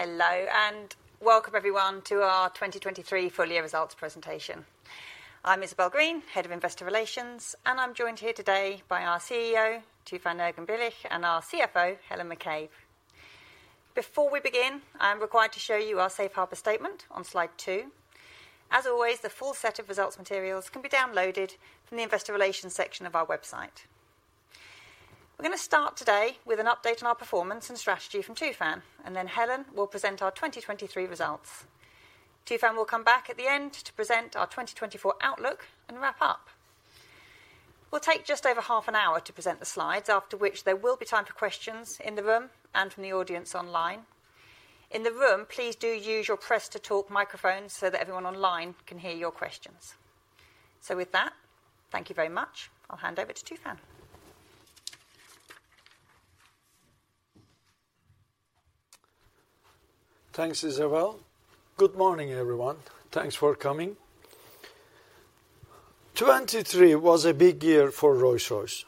Hello and welcome everyone to our 2023 full-year results presentation. I'm Isabel Green, Head of Investor Relations, and I'm joined here today by our CEO, Tufan Erginbilgic, and our CFO, Helen McCabe. Before we begin, I am required to show you our Safe Harbor Statement on slide two. As always, the full set of results materials can be downloaded from the Investor Relations section of our website. We're going to start today with an update on our performance and strategy from Tufan, and then Helen will present our 2023 results. Tufan will come back at the end to present our 2024 outlook and wrap up. We'll take just over half an hour to present the slides, after which there will be time for questions in the room and from the audience online. In the room, please do use your press-to-talk microphones so that everyone online can hear your questions. So with that, thank you very much. I'll hand over to Tufan. Thanks, Isabel. Good morning, everyone. Thanks for coming. 2023 was a big year for Rolls-Royce.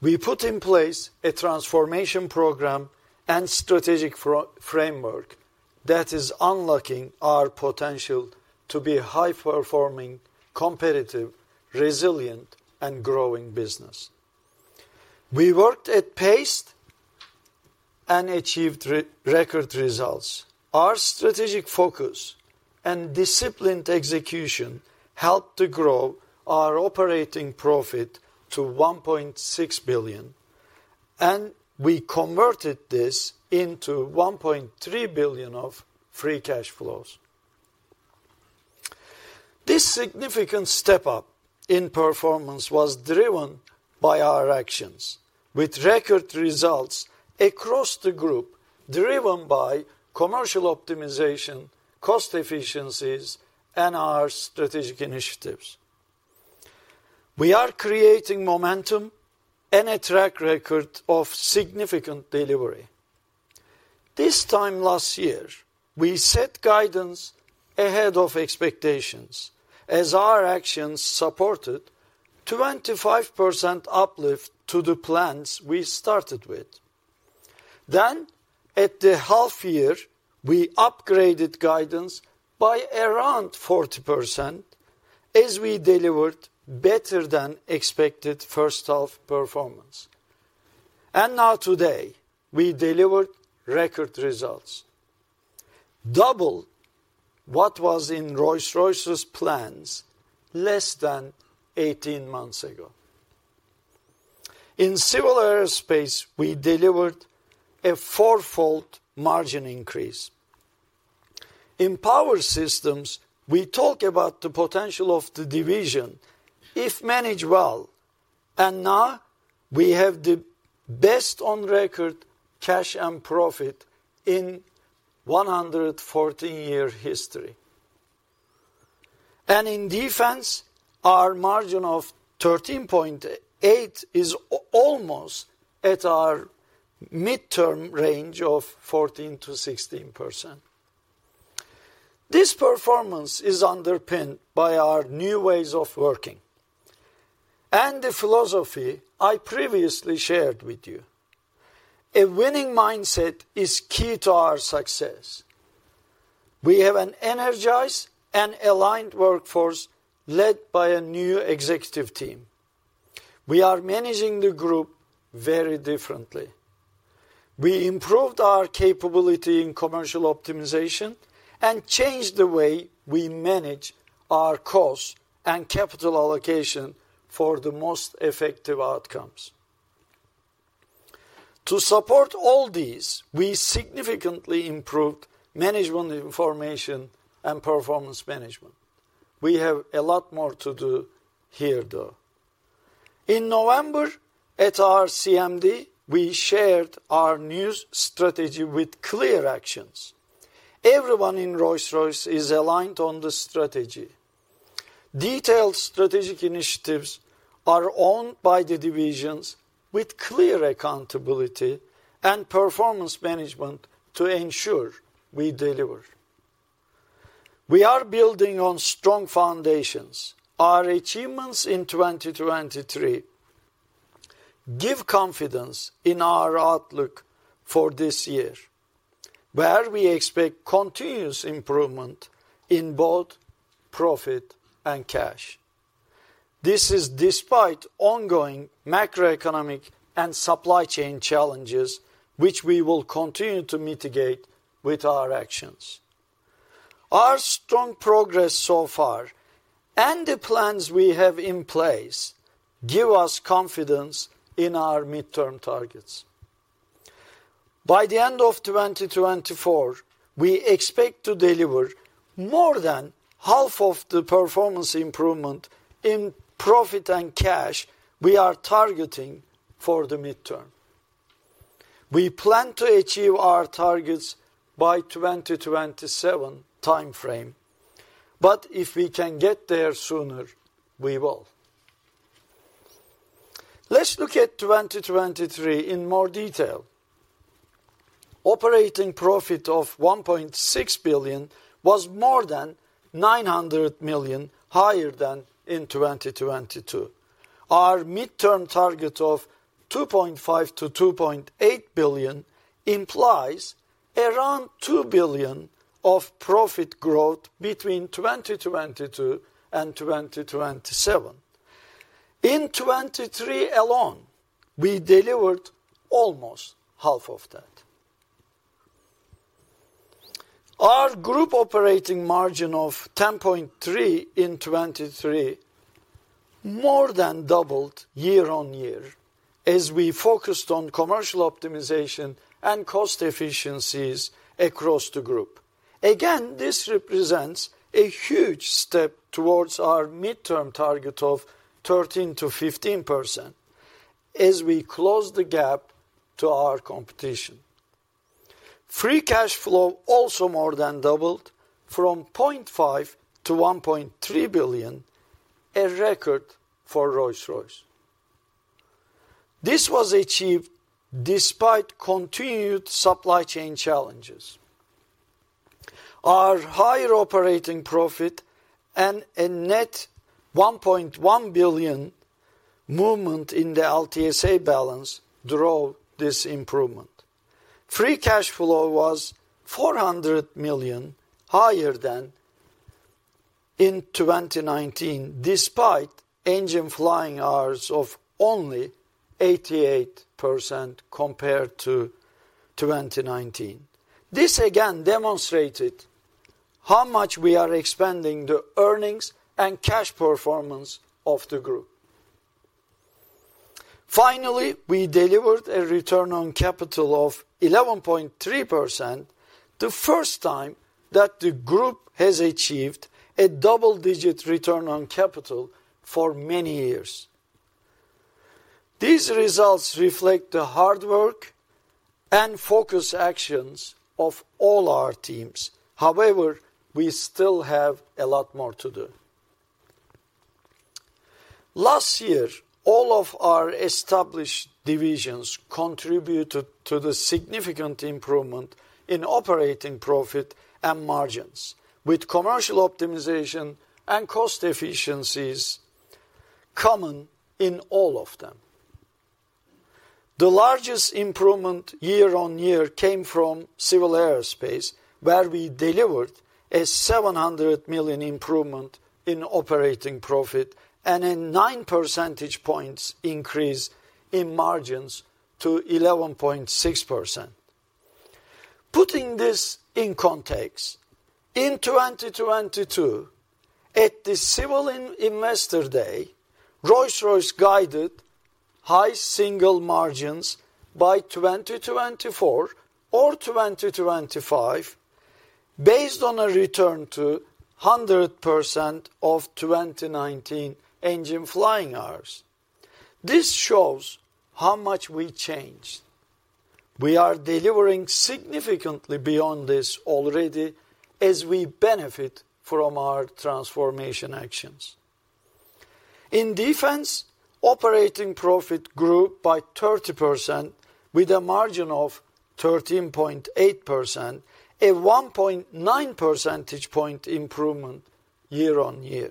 We put in place a transformation program and strategic framework that is unlocking our potential to be a high-performing, competitive, resilient, and growing business. We worked at pace and achieved record results. Our strategic focus and disciplined execution helped to grow our operating profit to 1.6 billion, and we converted this into 1.3 billion of free cash flows. This significant step up in performance was driven by our actions, with record results across the group driven by commercial optimization, cost efficiencies, and our strategic initiatives. We are creating momentum and a track record of significant delivery. This time last year, we set guidance ahead of expectations, as our actions supported a 25% uplift to the plans we started with. Then, at the half-year, we upgraded guidance by around 40% as we delivered better-than-expected first-half performance. And now today, we delivered record results, double what was in Rolls-Royce's plans less than 18 months ago. In Civil Aerospace, we delivered a four-fold margin increase. In Power Systems, we talk about the potential of the division if managed well, and now we have the best-on-record cash and profit in 114-year history. In Defence, our margin of 13.8% is almost at our mid-term range of 14%-16%. This performance is underpinned by our new ways of working and the philosophy I previously shared with you. A winning mindset is key to our success. We have an energized and aligned workforce led by a new executive team. We are managing the group very differently. We improved our capability in commercial optimization and changed the way we manage our cost and capital allocation for the most effective outcomes. To support all these, we significantly improved management information and performance management. We have a lot more to do here, though. In November, at our CMD, we shared our new strategy with clear actions. Everyone in Rolls-Royce is aligned on the strategy. Detailed strategic initiatives are owned by the divisions with clear accountability and performance management to ensure we deliver. We are building on strong foundations. Our achievements in 2023 give confidence in our outlook for this year, where we expect continuous improvement in both profit and cash. This is despite ongoing macroeconomic and supply chain challenges, which we will continue to mitigate with our actions. Our strong progress so far and the plans we have in place give us confidence in our mid-term targets. By the end of 2024, we expect to deliver more than half of the performance improvement in profit and cash we are targeting for the mid-term. We plan to achieve our targets by the 2027 time frame, but if we can get there sooner, we will. Let's look at 2023 in more detail. Operating profit of 1.6 billion was more than 900 million higher than in 2022. Our mid-term target of 2.5 billion-2.8 billion implies around 2 billion of profit growth between 2022 and 2027. In 2023 alone, we delivered almost half of that. Our group operating margin of 10.3% in 2023 more than doubled year-on-year as we focused on commercial optimization and cost efficiencies across the group. Again, this represents a huge step towards our mid-term target of 13%-15% as we close the gap to our competition. Free cash flow also more than doubled from 0.5 billion to 1.3 billion, a record for Rolls-Royce. This was achieved despite continued supply chain challenges. Our higher operating profit and a net 1.1 billion movement in the LTSA balance drove this improvement. Free cash flow was 400 million higher than in 2019 despite engine flying hours of only 88% compared to 2019. This, again, demonstrated how much we are expanding the earnings and cash performance of the group. Finally, we delivered a return on capital of 11.3%, the first time that the group has achieved a double-digit return on capital for many years. These results reflect the hard work and focused actions of all our teams. However, we still have a lot more to do. Last year, all of our established divisions contributed to the significant improvement in operating profit and margins, with commercial optimization and cost efficiencies common in all of them. The largest improvement year-on-year came from Civil Aerospace, where we delivered a 700 million improvement in operating profit and a 9 percentage point increase in margins to 11.6%. Putting this in context, in 2022, at the Civil Investor Day, Rolls-Royce guided high single margins by 2024 or 2025 based on a return to 100% of 2019 engine flying hours. This shows how much we changed. We are delivering significantly beyond this already as we benefit from our transformation actions. In Defence, operating profit grew by 30% with a margin of 13.8%, a 1.9 percentage point improvement year-on-year.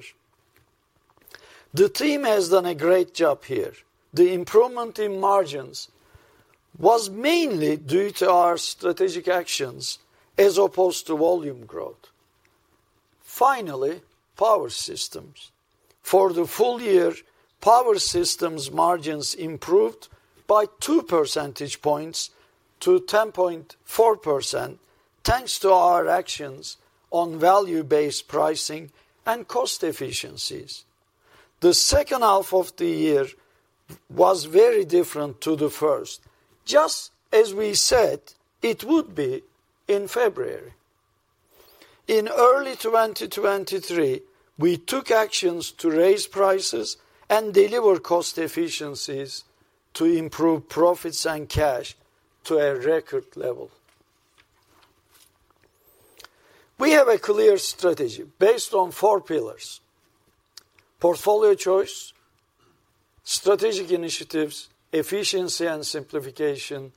The team has done a great job here. The improvement in margins was mainly due to our strategic actions as opposed to volume growth. Finally, Power Systems. For the full year, Power Systems margins improved by 2 percentage points to 10.4% thanks to our actions on value-based pricing and cost efficiencies. The second half of the year was very different from the first, just as we said it would be in February. In early 2023, we took actions to raise prices and deliver cost efficiencies to improve profits and cash to a record level. We have a clear strategy based on four pillars: portfolio choice, strategic initiatives, efficiency and simplification,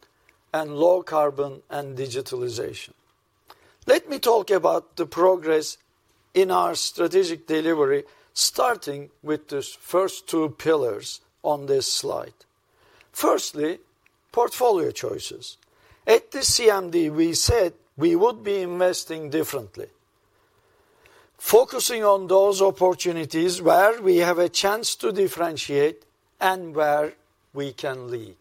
and low carbon and digitalization. Let me talk about the progress in our strategic delivery starting with the first two pillars on this slide. Firstly, portfolio choices. At the CMD, we said we would be investing differently, focusing on those opportunities where we have a chance to differentiate and where we can lead.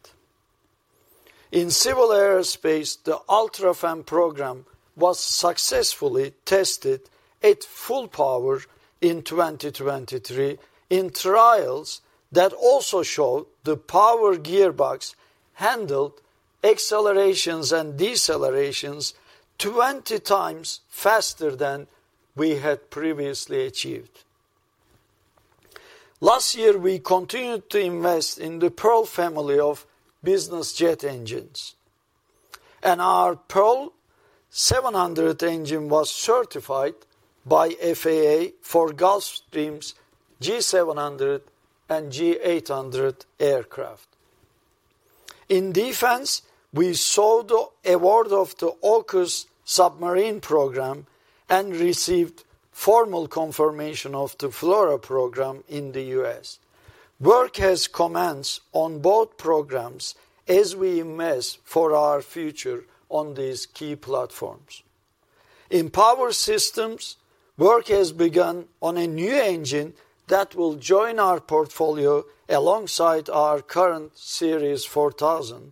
In Civil Aerospace, the UltraFan program was successfully tested at full power in 2023 in trials that also showed the power gearbox handled accelerations and decelerations 20x faster than we had previously achieved. Last year, we continued to invest in the Pearl family of business jet engines, and our Pearl 700 engine was certified by FAA for Gulfstream's G700 and G800 aircraft. In Defense, we saw the award of the AUKUS submarine program and received formal confirmation of the FLRAA program in the U.S. Work has commenced on both programs as we invest for our future on these key platforms. In Power Systems, work has begun on a new engine that will join our portfolio alongside our current Series 4000.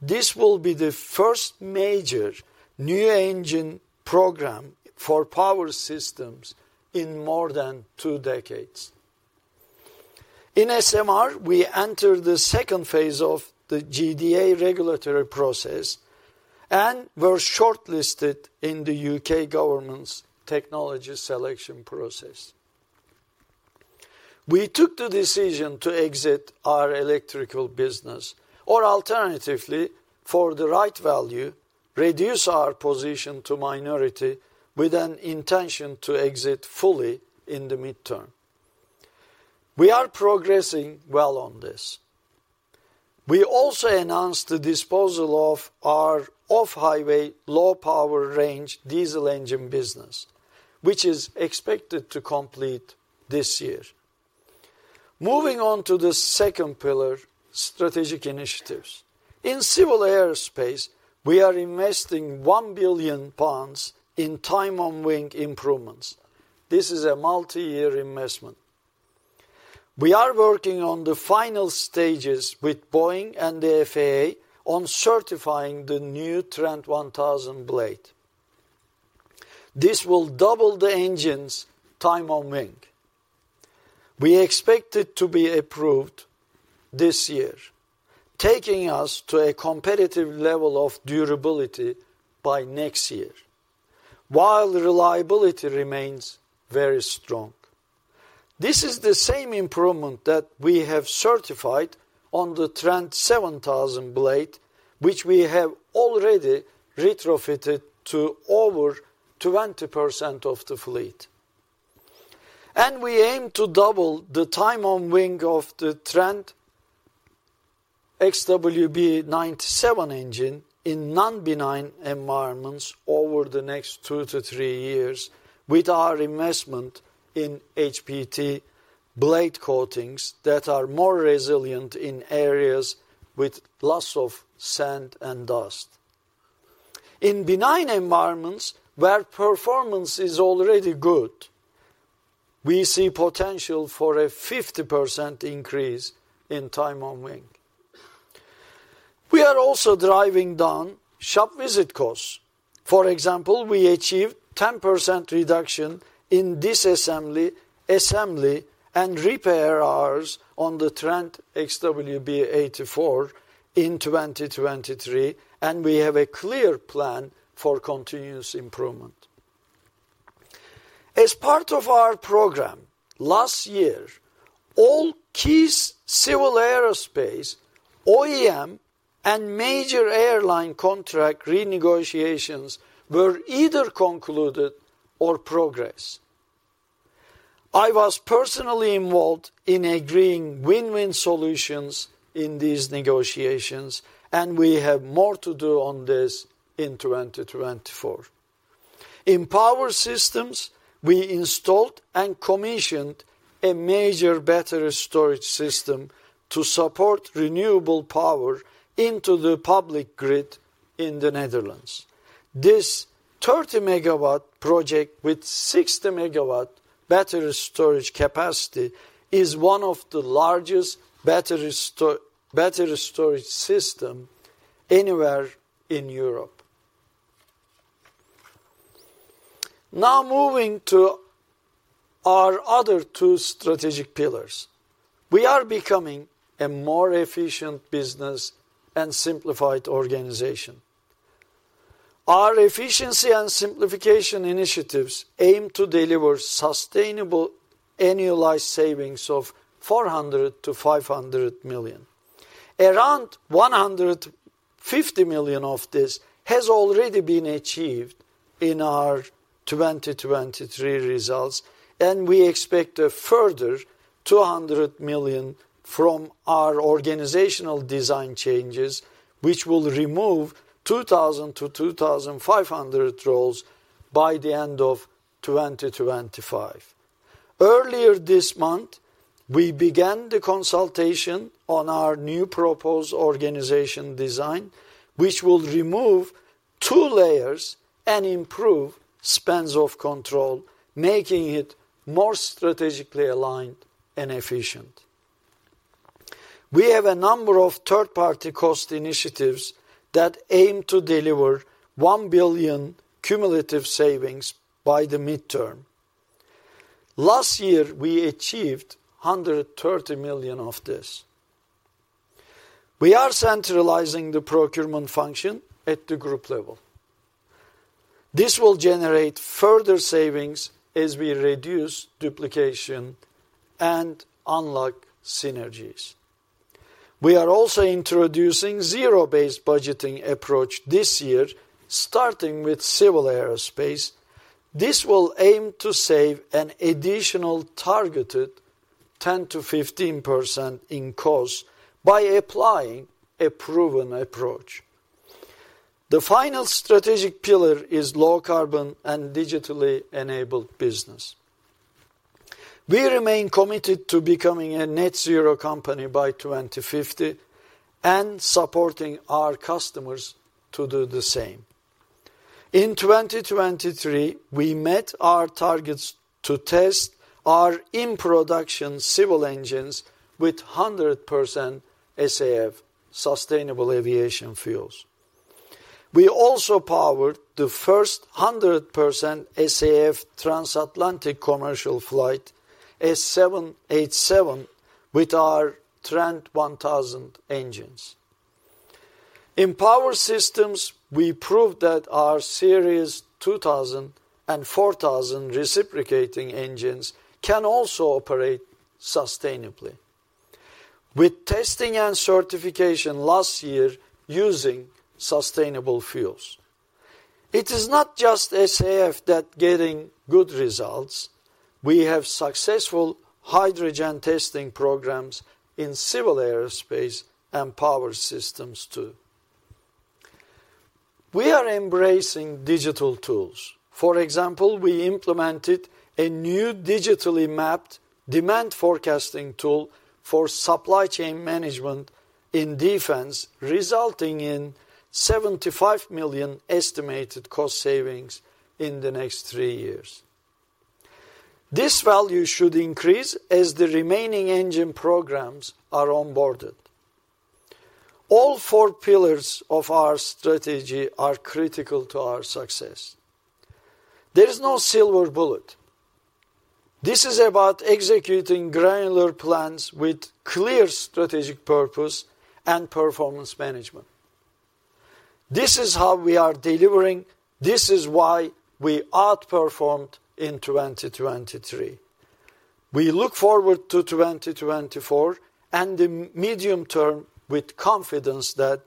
This will be the first major new engine program for Power Systems in more than two decades. In SMR, we entered the second phase of the GDA regulatory process and were shortlisted in the UK government's technology selection process. We took the decision to exit our electrical business or, alternatively, for the right value, reduce our position to minority with an intention to exit fully in the mid-term. We are progressing well on this. We also announced the disposal of our off-highway low-power range diesel engine business, which is expected to complete this year. Moving on to the second pillar, strategic initiatives. In Civil Aerospace, we are investing 1 billion pounds in time-on-wing improvements. This is a multi-year investment. We are working on the final stages with Boeing and the FAA on certifying the new Trent 1000 blade. This will double the engines' time-on-wing. We expect it to be approved this year, taking us to a competitive level of durability by next year while reliability remains very strong. This is the same improvement that we have certified on the Trent 7000 blade, which we have already retrofitted to over 20% of the fleet. We aim to double the time-on-wing of the Trent XWB-97 engine in non-benign environments over the next two to three years with our investment in HPT blade coatings that are more resilient in areas with lots of sand and dust. In benign environments where performance is already good, we see potential for a 50% increase in time-on-wing. We are also driving down shop visit costs. For example, we achieved a 10% reduction in disassembly, assembly, and repair hours on the Trent XWB-84 in 2023, and we have a clear plan for continuous improvement. As part of our program last year, all key Civil Aerospace OEM and major airline contract renegotiations were either concluded or progressed. I was personally involved in agreeing win-win solutions in these negotiations, and we have more to do on this in 2024. In Power Systems, we installed and commissioned a major battery storage system to support renewable power into the public grid in the Netherlands. This 30 MW project with 60 MW battery storage capacity is one of the largest battery storage systems anywhere in Europe. Now, moving to our other two strategic pillars, we are becoming a more efficient business and simplified organization. Our efficiency and simplification initiatives aim to deliver sustainable annualized savings of 400 million-500 million. Around 150 million of this has already been achieved in our 2023 results, and we expect a further 200 million from our organizational design changes, which will remove 2,000-2,500 roles by the end of 2025. Earlier this month, we began the consultation on our new proposed organization design, which will remove two layers and improve spans of control, making it more strategically aligned and efficient. We have a number of third-party cost initiatives that aim to deliver 1 billion cumulative savings by the mid-term. Last year, we achieved 130 million of this. We are centralizing the procurement function at the group level. This will generate further savings as we reduce duplication and unlock synergies. We are also introducing a zero-based budgeting approach this year, starting with Civil Aerospace. This will aim to save an additional targeted 10%-15% in costs by applying a proven approach. The final strategic pillar is low carbon and digitally enabled business. We remain committed to becoming a net-zero company by 2050 and supporting our customers to do the same. In 2023, we met our targets to test our in-production civil engines with 100% SAF, sustainable aviation fuels. We also powered the first 100% SAF transatlantic commercial flight, 787, with our Trent 1000 engines. In power systems, we proved that our Series 2000 and 4000 reciprocating engines can also operate sustainably with testing and certification last year using sustainable fuels. It is not just SAF that is getting good results. We have successful hydrogen testing programs in civil aerospace and power systems too. We are embracing digital tools. For example, we implemented a new digitally mapped demand forecasting tool for supply chain management in defense, resulting in 75 million estimated cost savings in the next three years. This value should increase as the remaining engine programs are onboarded. All four pillars of our strategy are critical to our success. There is no silver bullet. This is about executing granular plans with clear strategic purpose and performance management. This is how we are delivering. This is why we outperformed in 2023. We look forward to 2024 and the medium term with confidence that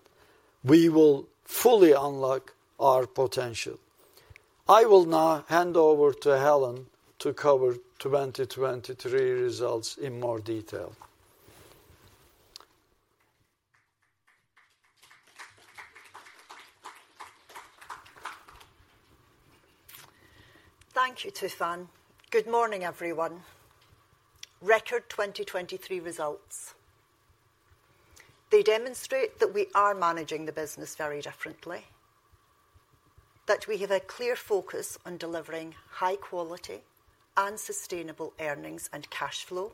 we will fully unlock our potential. I will now hand over to Helen to cover 2023 results in more detail. Thank you, Tufan. Good morning, everyone. Record 2023 results. They demonstrate that we are managing the business very differently, that we have a clear focus on delivering high-quality and sustainable earnings and cash flow,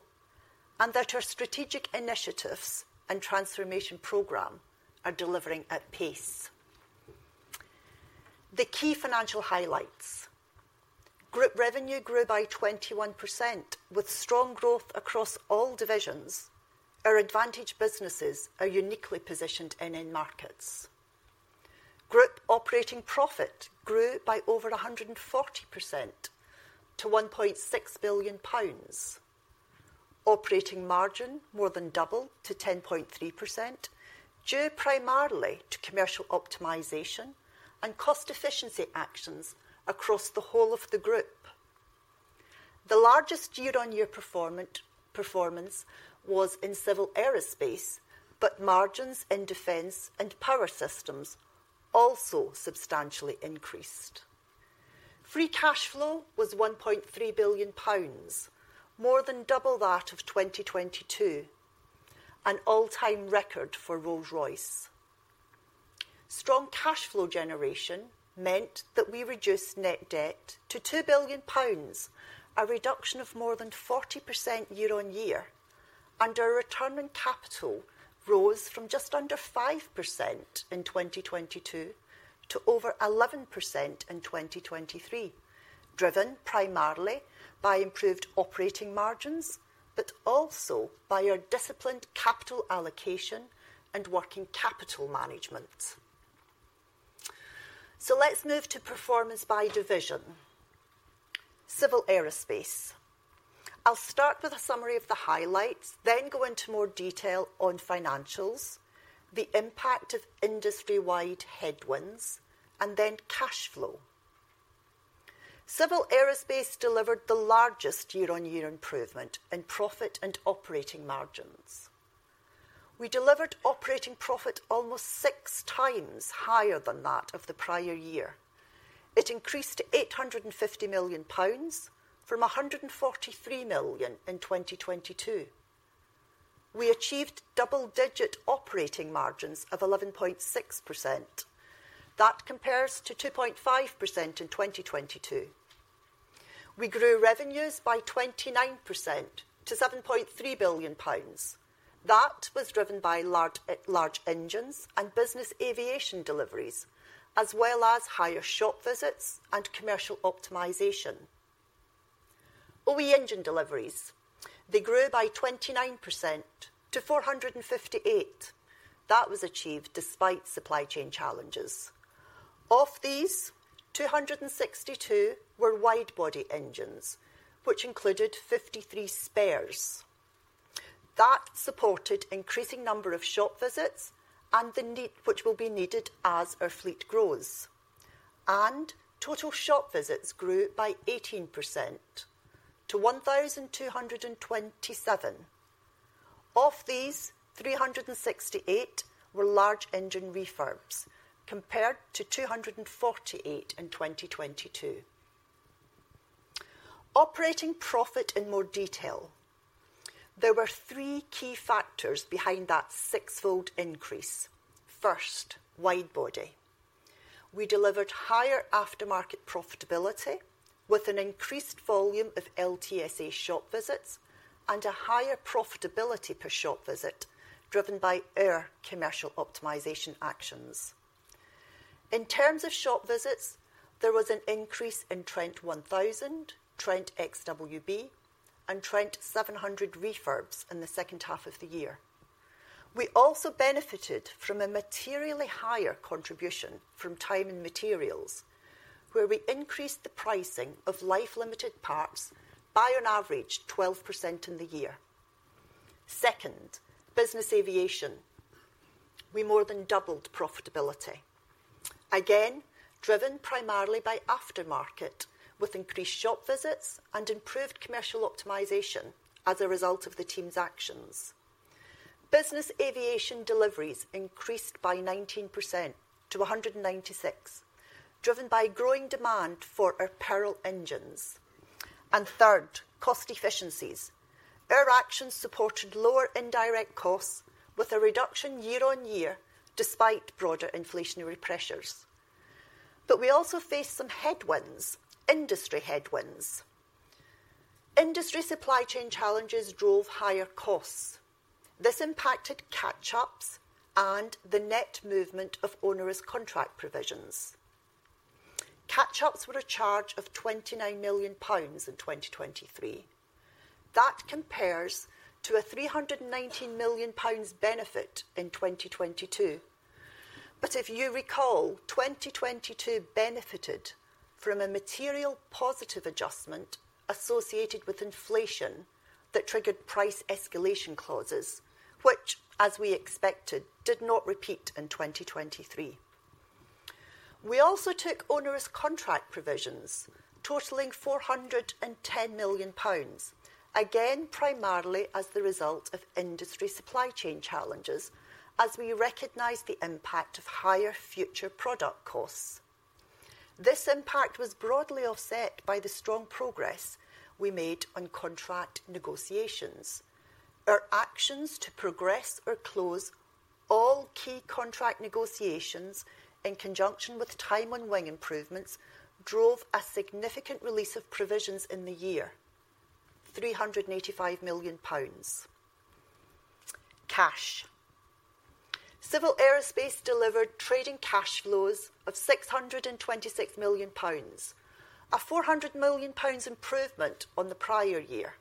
and that our strategic initiatives and transformation program are delivering at pace. The key financial highlights: Group revenue grew by 21% with strong growth across all divisions. Our advantaged businesses are uniquely positioned in end markets. Group operating profit grew by over 140% to GBP 1.6 billion, operating margin more than double to 10.3% due primarily to commercial optimization and cost efficiency actions across the whole of the group. The largest year-on-year performance was in civil aerospace, but margins in defense and power systems also substantially increased. Free cash flow was 1.3 billion pounds, more than double that of 2022, an all-time record for Rolls-Royce. Strong cash flow generation meant that we reduced net debt to 2 billion pounds, a reduction of more than 40% year-over-year, and our return on capital rose from just under 5% in 2022 to over 11% in 2023, driven primarily by improved operating margins but also by our disciplined capital allocation and working capital management. Let's move to performance by division: Civil Aerospace. I'll start with a summary of the highlights, then go into more detail on financials, the impact of industry-wide headwinds, and then cash flow. Civil Aerospace delivered the largest year-over-year improvement in profit and operating margins. We delivered operating profit almost 6x higher than that of the prior year. It increased to 850 million pounds from 143 million in 2022. We achieved double-digit operating margins of 11.6%. That compares to 2.5% in 2022. We grew revenues by 29% to 7.3 billion pounds. That was driven by large engines and Business Aviation deliveries, as well as higher shop visits and commercial optimization. OE engine deliveries, they grew by 29% to 458. That was achieved despite supply chain challenges. Of these, 262 were widebody engines, which included 53 spares. That supported an increasing number of shop visits, which will be needed as our fleet grows. And total shop visits grew by 18% to 1,227. Of these, 368 were large engine refurbs compared to 248 in 2022. Operating profit in more detail. There were three key factors behind that sixfold increase. First, widebody. We delivered higher aftermarket profitability with an increased volume of LTSA shop visits and a higher profitability per shop visit driven by our commercial optimization actions. In terms of shop visits, there was an increase in Trent 1000, Trent XWB, and Trent 700 refurbs in the second half of the year. We also benefited from a materially higher contribution from Time & Materials, where we increased the pricing of life-limited parts by, on average, 12% in the year. Second, Business Aviation. We more than doubled profitability, again driven primarily by aftermarket with increased shop visits and improved commercial optimization as a result of the team's actions. Business aviation deliveries increased by 19% to 196, driven by growing demand for Pearl engines. And third, cost efficiencies. Our actions supported lower indirect costs with a reduction year-on-year despite broader inflationary pressures. But we also faced some headwinds, industry headwinds. Industry supply chain challenges drove higher costs. This impacted catch-ups and the net movement of onerous contract provisions. Catch-ups were a charge of 29 million pounds in 2023. That compares to a 319 million pounds benefit in 2022. But if you recall, 2022 benefited from a material positive adjustment associated with inflation that triggered price escalation clauses, which, as we expected, did not repeat in 2023. We also took onerous contract provisions, totaling 410 million pounds, again primarily as the result of industry supply chain challenges, as we recognized the impact of higher future product costs. This impact was broadly offset by the strong progress we made on contract negotiations. Our actions to progress or close all key contract negotiations in conjunction with time-on-wing improvements drove a significant release of provisions in the year, 385 million pounds. Cash. Civil Aerospace delivered trading cash flows of 626 million pounds, a 400 million pounds improvement on the prior year.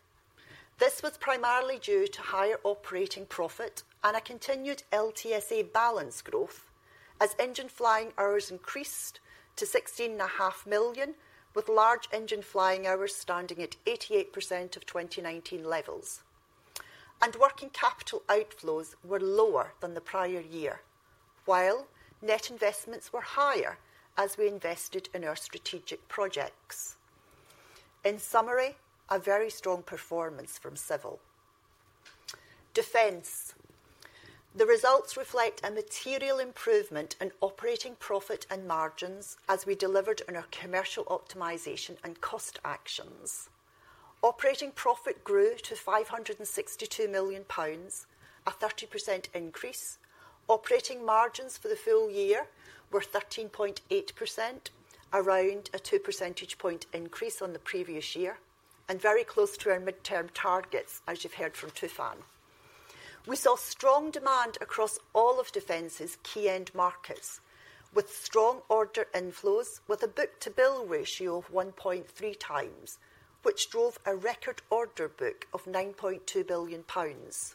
This was primarily due to higher operating profit and a continued LTSA balance growth as engine flying hours increased to 16.5 million, with large engine flying hours standing at 88% of 2019 levels. Working capital outflows were lower than the prior year, while net investments were higher as we invested in our strategic projects. In summary, a very strong performance from Civil. Defence. The results reflect a material improvement in operating profit and margins as we delivered on our commercial optimization and cost actions. Operating profit grew to 562 million pounds, a 30% increase. Operating margins for the full year were 13.8%, around a 2 percentage point increase on the previous year and very close to our mid-term targets, as you've heard from Tufan. We saw strong demand across all of Defence's key end markets with strong order inflows, with a book-to-bill ratio of 1.3 times, which drove a record order book of 9.2 billion pounds.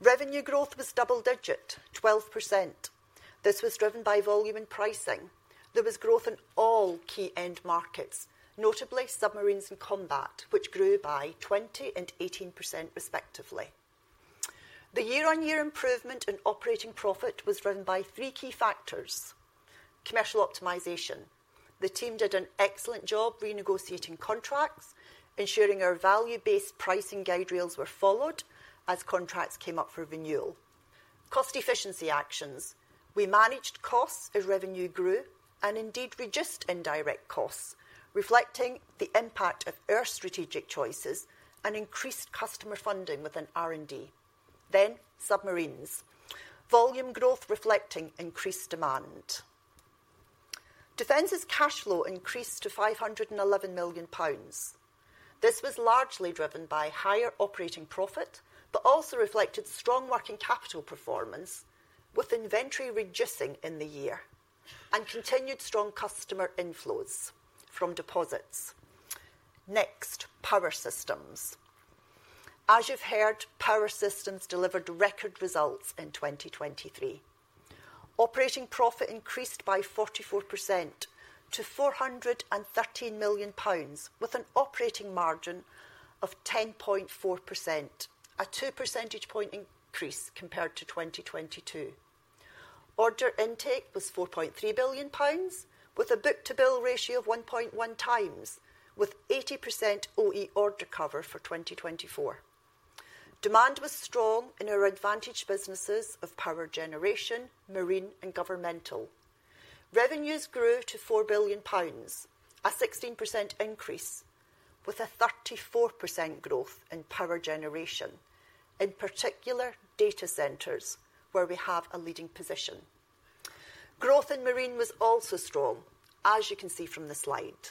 Revenue growth was double-digit, 12%. This was driven by volume and pricing. There was growth in all key end markets, notably Submarines and Combat, which grew by 20% and 18%, respectively. The year-on-year improvement in operating profit was driven by three key factors: commercial optimization. The team did an excellent job renegotiating contracts, ensuring our value-based pricing guide rails were followed as contracts came up for renewal. Cost efficiency actions. We managed costs as revenue grew and indeed reduced indirect costs, reflecting the impact of our strategic choices and increased customer funding within R&D. Then Submarines. Volume growth reflecting increased demand. Defense's cash flow increased to 511 million pounds. This was largely driven by higher operating profit but also reflected strong working capital performance with inventory reducing in the year and continued strong customer inflows from deposits. Next, power systems. As you've heard, power systems delivered record results in 2023. Operating profit increased by 44% to 413 million pounds, with an operating margin of 10.4%, a 2 percentage point increase compared to 2022. Order intake was 4.3 billion pounds, with a book-to-bill ratio of 1.1x, with 80% OE order cover for 2024. Demand was strong in our advantaged businesses of Power Generation, Marine, and Governmental. Revenues grew to 4 billion pounds, a 16% increase, with a 34% growth in Power Generation, in particular data centers where we have a leading position. Growth in marine was also strong, as you can see from the slide.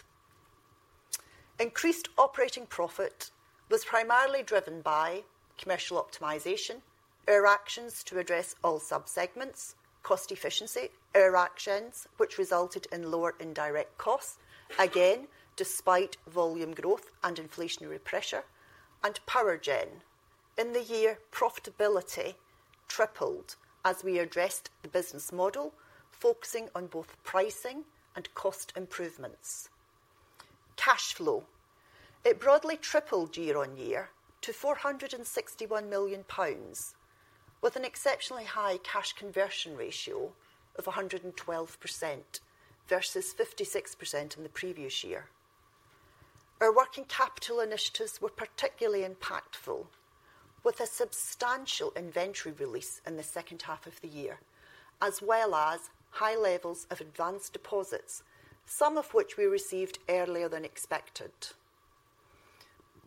Increased operating profit was primarily driven by commercial optimization, our actions to address all subsegments, cost efficiency, our actions, which resulted in lower indirect costs, again despite volume growth and inflationary pressure, and Power Gen. In the year, profitability tripled as we addressed the business model, focusing on both pricing and cost improvements. Cash flow. It broadly tripled year-on-year to 461 million pounds, with an exceptionally high cash conversion ratio of 112% versus 56% in the previous year. Our working capital initiatives were particularly impactful, with a substantial inventory release in the second half of the year, as well as high levels of advanced deposits, some of which we received earlier than expected.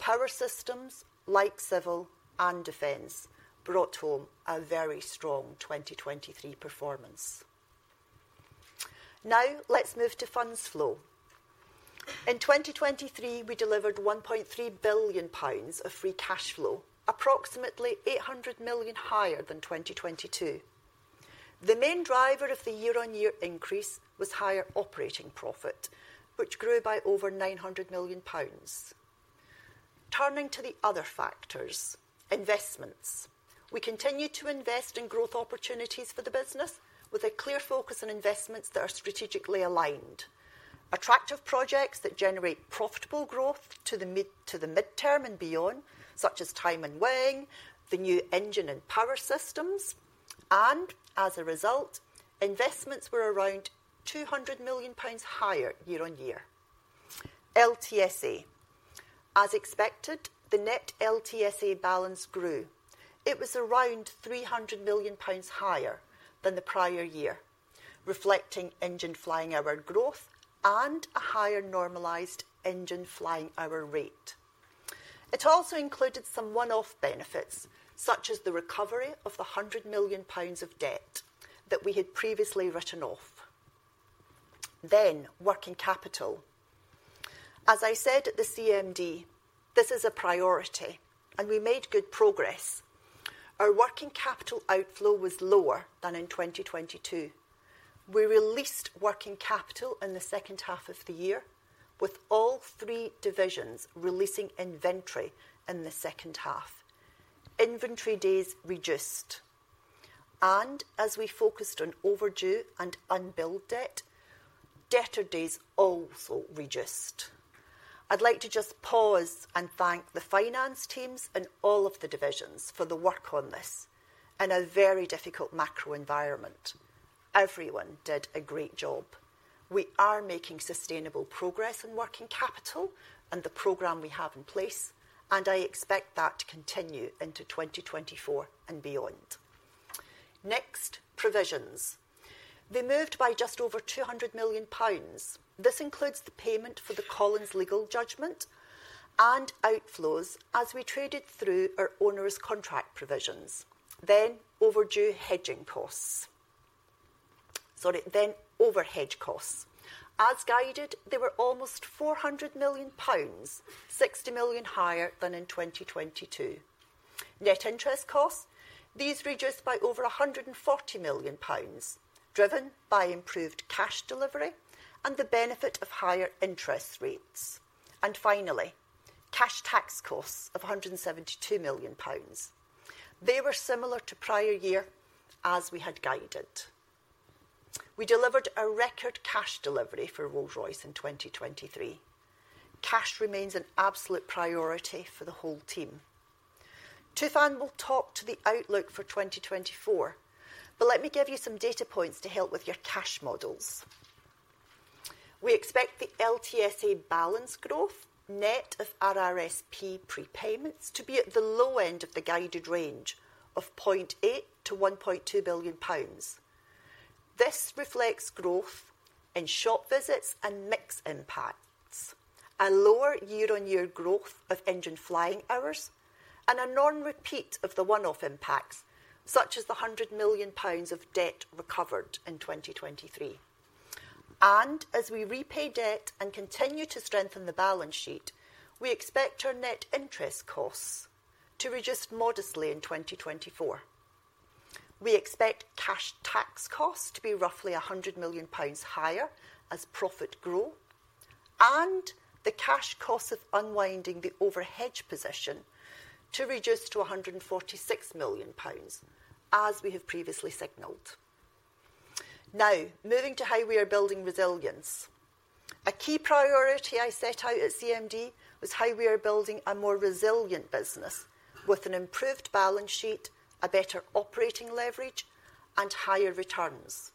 Power systems like civil and defense brought home a very strong 2023 performance. Now let's move to funds flow. In 2023, we delivered 1.3 billion pounds of free cash flow, approximately 800 million higher than 2022. The main driver of the year-on-year increase was higher operating profit, which grew by over 900 million pounds. Turning to the other factors, investments. We continue to invest in growth opportunities for the business with a clear focus on investments that are strategically aligned, attractive projects that generate profitable growth to the mid-term and beyond, such as time-on-wing, the new engine and power systems, and as a result, investments were around 200 million pounds higher year-on-year. LTSA. As expected, the net LTSA balance grew. It was around 300 million pounds higher than the prior year, reflecting engine flying hour growth and a higher normalised engine flying hour rate. It also included some one-off benefits, such as the recovery of the 100 million pounds of debt that we had previously written off. Then working capital. As I said at the CMD, this is a priority, and we made good progress. Our working capital outflow was lower than in 2022. We released working capital in the second half of the year, with all three divisions releasing inventory in the second half. Inventory days reduced. As we focused on overdue and unbuilt debt, debtor days also reduced. I'd like to just pause and thank the finance teams and all of the divisions for the work on this in a very difficult macro environment. Everyone did a great job. We are making sustainable progress in working capital and the program we have in place, and I expect that to continue into 2024 and beyond. Next, provisions. They moved by just over 200 million pounds. This includes the payment for the class legal judgment and outflows as we traded through our onerous contract provisions. Then overdue hedging costs. Sorry, then overhead costs. As guided, they were almost 400 million pounds, 60 million higher than in 2022. Net interest costs. These reduced by over 140 million pounds, driven by improved cash delivery and the benefit of higher interest rates. Finally, cash tax costs of 172 million pounds. They were similar to prior year as we had guided. We delivered a record cash delivery for Rolls-Royce in 2023. Cash remains an absolute priority for the whole team. Tufan will talk to the outlook for 2024, but let me give you some data points to help with your cash models. We expect the LTSA balance growth, net of RRSP prepayments, to be at the low end of the guided range of 0.8 billion-1.2 billion pounds. This reflects growth in shop visits and mixed impacts, a lower year-on-year growth of engine flying hours, and a non-repeat of the one-off impacts, such as the 100 million pounds of debt recovered in 2023. As we repay debt and continue to strengthen the balance sheet, we expect our net interest costs to reduce modestly in 2024. We expect cash tax costs to be roughly 100 million pounds higher as profit grows, and the cash costs of unwinding the overhead position to reduce to 146 million pounds, as we have previously signalled. Now moving to how we are building resilience. A key priority I set out at CMD was how we are building a more resilient business with an improved balance sheet, a better operating leverage, and higher returns.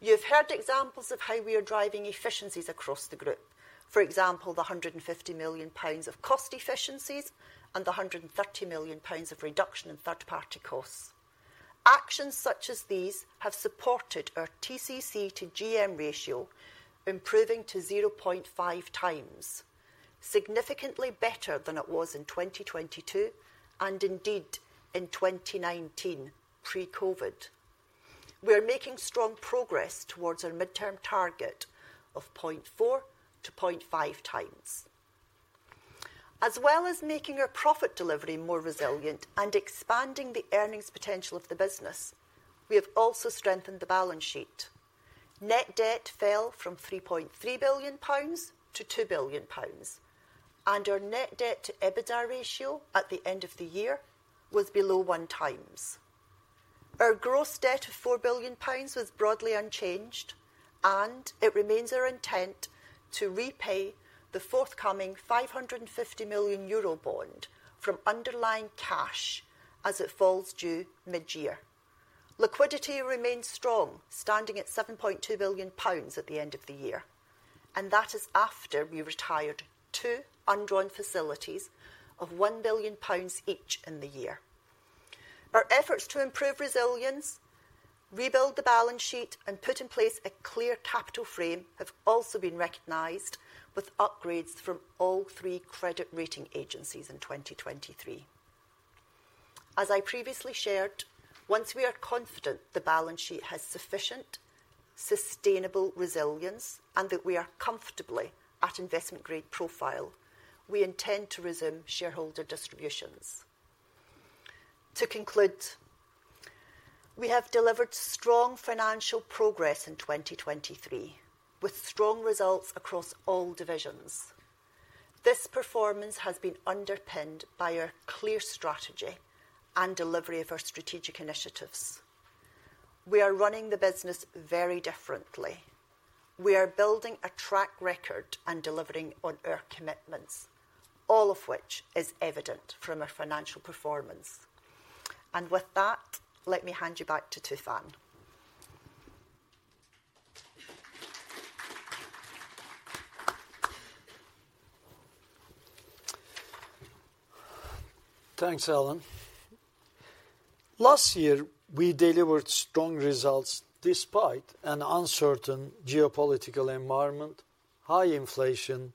You've heard examples of how we are driving efficiencies across the group, for example, the 150 million pounds of cost efficiencies and the 130 million pounds of reduction in third-party costs. Actions such as these have supported our TCC to GM ratio, improving to 0.5x, significantly better than it was in 2022 and indeed in 2019 pre-COVID. We are making strong progress towards our mid-term target of 0.4x-0.5x. As well as making our profit delivery more resilient and expanding the earnings potential of the business, we have also strengthened the balance sheet. Net debt fell from 3.3 billion pounds to 2 billion pounds, and our net debt to EBITDA ratio at the end of the year was below 1x. Our gross debt of 4 billion pounds was broadly unchanged, and it remains our intent to repay the forthcoming 550 million euro bond from underlying cash as it falls due mid-year. Liquidity remains strong, standing at 7.2 billion pounds at the end of the year, and that is after we retired two underwritten facilities of 1 billion pounds each in the year. Our efforts to improve resilience, rebuild the balance sheet, and put in place a clear capital frame have also been recognized with upgrades from all three credit rating agencies in 2023. As I previously shared, once we are confident the balance sheet has sufficient sustainable resilience and that we are comfortably at investment-grade profile, we intend to resume shareholder distributions. To conclude, we have delivered strong financial progress in 2023 with strong results across all divisions. This performance has been underpinned by our clear strategy and delivery of our strategic initiatives. We are running the business very differently. We are building a track record and delivering on our commitments, all of which is evident from our financial performance. With that, let me hand you back to Tufan. Thanks, Helen. Last year, we delivered strong results despite an uncertain geopolitical environment, high inflation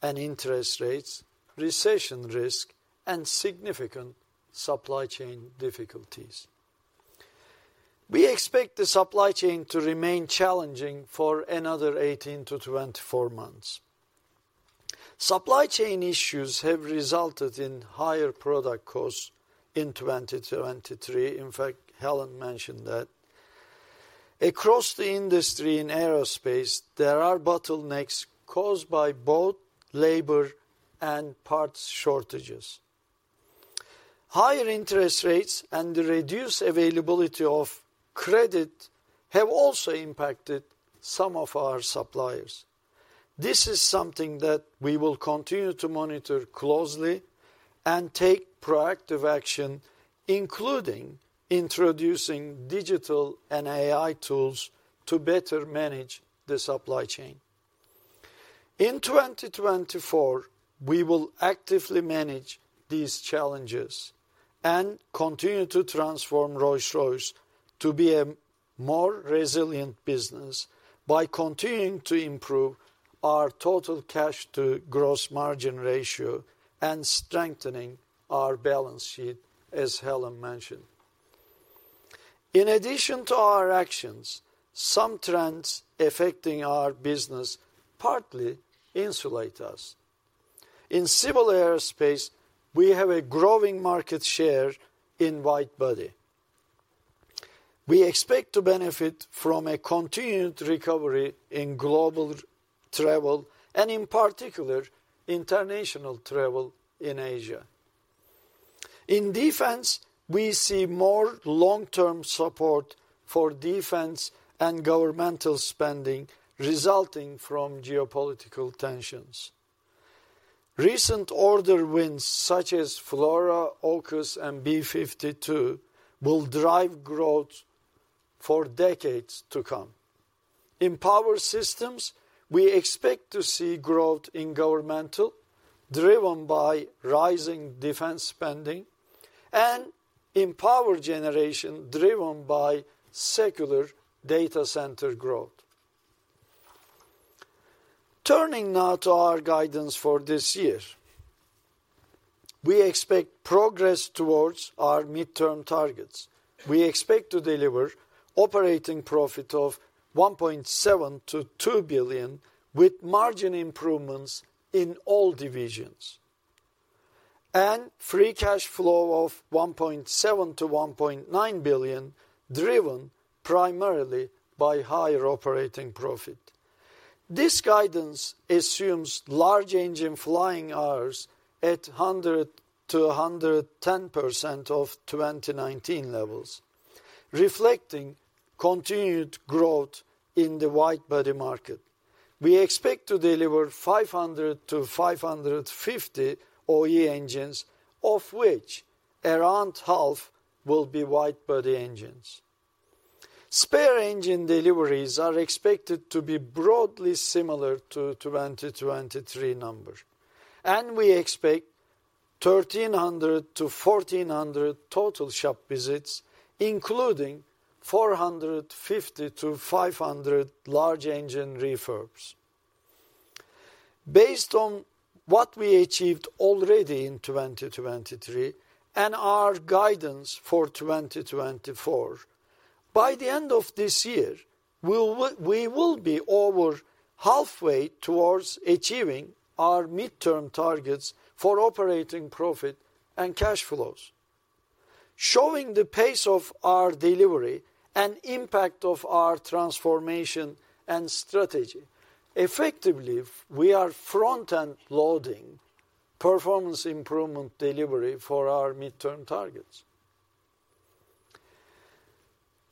and interest rates, recession risk, and significant supply chain difficulties. We expect the supply chain to remain challenging for another 18-24 months. Supply chain issues have resulted in higher product costs in 2023. In fact, Helen mentioned that across the industry in aerospace, there are bottlenecks caused by both labor and parts shortages. Higher interest rates and the reduced availability of credit have also impacted some of our suppliers. This is something that we will continue to monitor closely and take proactive action, including introducing digital and AI tools to better manage the supply chain. In 2024, we will actively manage these challenges and continue to transform Rolls-Royce to be a more resilient business by continuing to improve our total cash-to-gross margin ratio and strengthening our balance sheet, as Helen mentioned. In addition to our actions, some trends affecting our business partly insulate us. In Civil Aerospace, we have a growing market share in widebody. We expect to benefit from a continued recovery in global travel and, in particular, international travel in Asia. In Defence, we see more long-term support for defence and governmental spending resulting from geopolitical tensions. Recent order wins such as FLRAA, AUKUS, and B-52 will drive growth for decades to come. In Power Systems, we expect to see growth in governmental driven by rising defence spending and in Power Generation driven by secular data center growth. Turning now to our guidance for this year, we expect progress towards our mid-term targets. We expect to deliver operating profit of 1.7 billion-2 billion with margin improvements in all divisions and free cash flow of 1.7 billion-1.9 billion driven primarily by higher operating profit. This guidance assumes large engine flying hours at 100%-110% of 2019 levels, reflecting continued growth in the widebody market. We expect to deliver 500-550 OE engines, of which around half will be widebody engines. Spare engine deliveries are expected to be broadly similar to the 2023 number, and we expect 1,300-1,400 total shop visits, including 450-500 large engine refurbs. Based on what we achieved already in 2023 and our guidance for 2024, by the end of this year, we will be over halfway towards achieving our mid-term targets for operating profit and cash flows. Showing the pace of our delivery and impact of our transformation and strategy, effectively, we are front-end loading performance improvement delivery for our mid-term targets.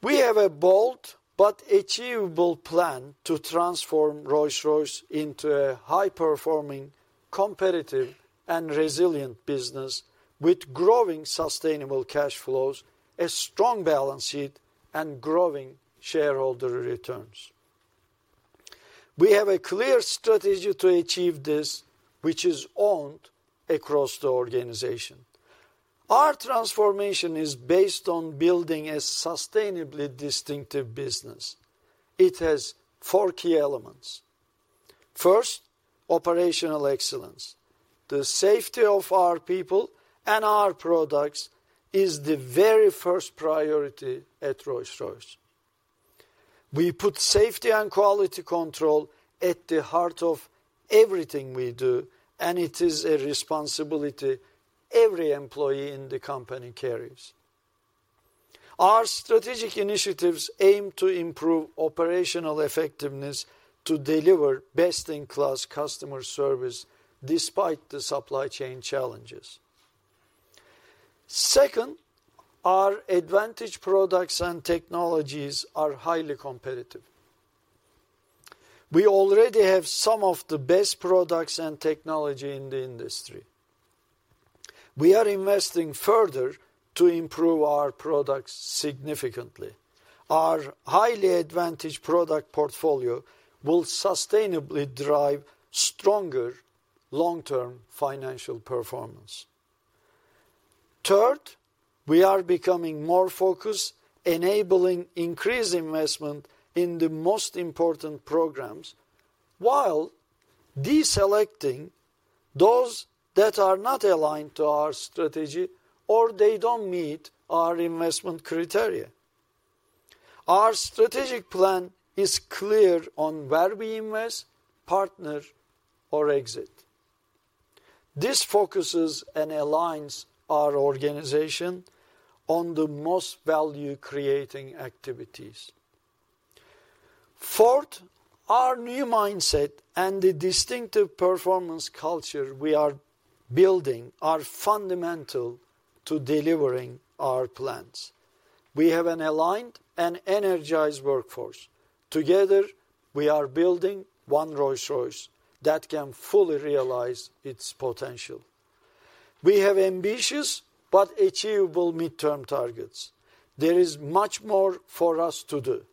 We have a bold but achievable plan to transform Rolls-Royce into a high-performing, competitive, and resilient business with growing sustainable cash flows, a strong balance sheet, and growing shareholder returns. We have a clear strategy to achieve this, which is owned across the organization. Our transformation is based on building a sustainably distinctive business. It has four key elements. First, operational excellence. The safety of our people and our products is the very first priority at Rolls-Royce. We put safety and quality control at the heart of everything we do, and it is a responsibility every employee in the company carries. Our strategic initiatives aim to improve operational effectiveness to deliver best-in-class customer service despite the supply chain challenges. Second, our advantage products and technologies are highly competitive. We already have some of the best products and technology in the industry. We are investing further to improve our products significantly. Our highly advantaged product portfolio will sustainably drive stronger long-term financial performance. Third, we are becoming more focused, enabling increased investment in the most important programs while deselecting those that are not aligned to our strategy or they don't meet our investment criteria. Our strategic plan is clear on where we invest, partner, or exit. This focuses and aligns our organization on the most value-creating activities. Fourth, our new mindset and the distinctive performance culture we are building are fundamental to delivering our plans. We have an aligned and energized workforce. Together, we are building one Rolls-Royce that can fully realize its potential. We have ambitious but achievable mid-term targets. There is much more for us to do,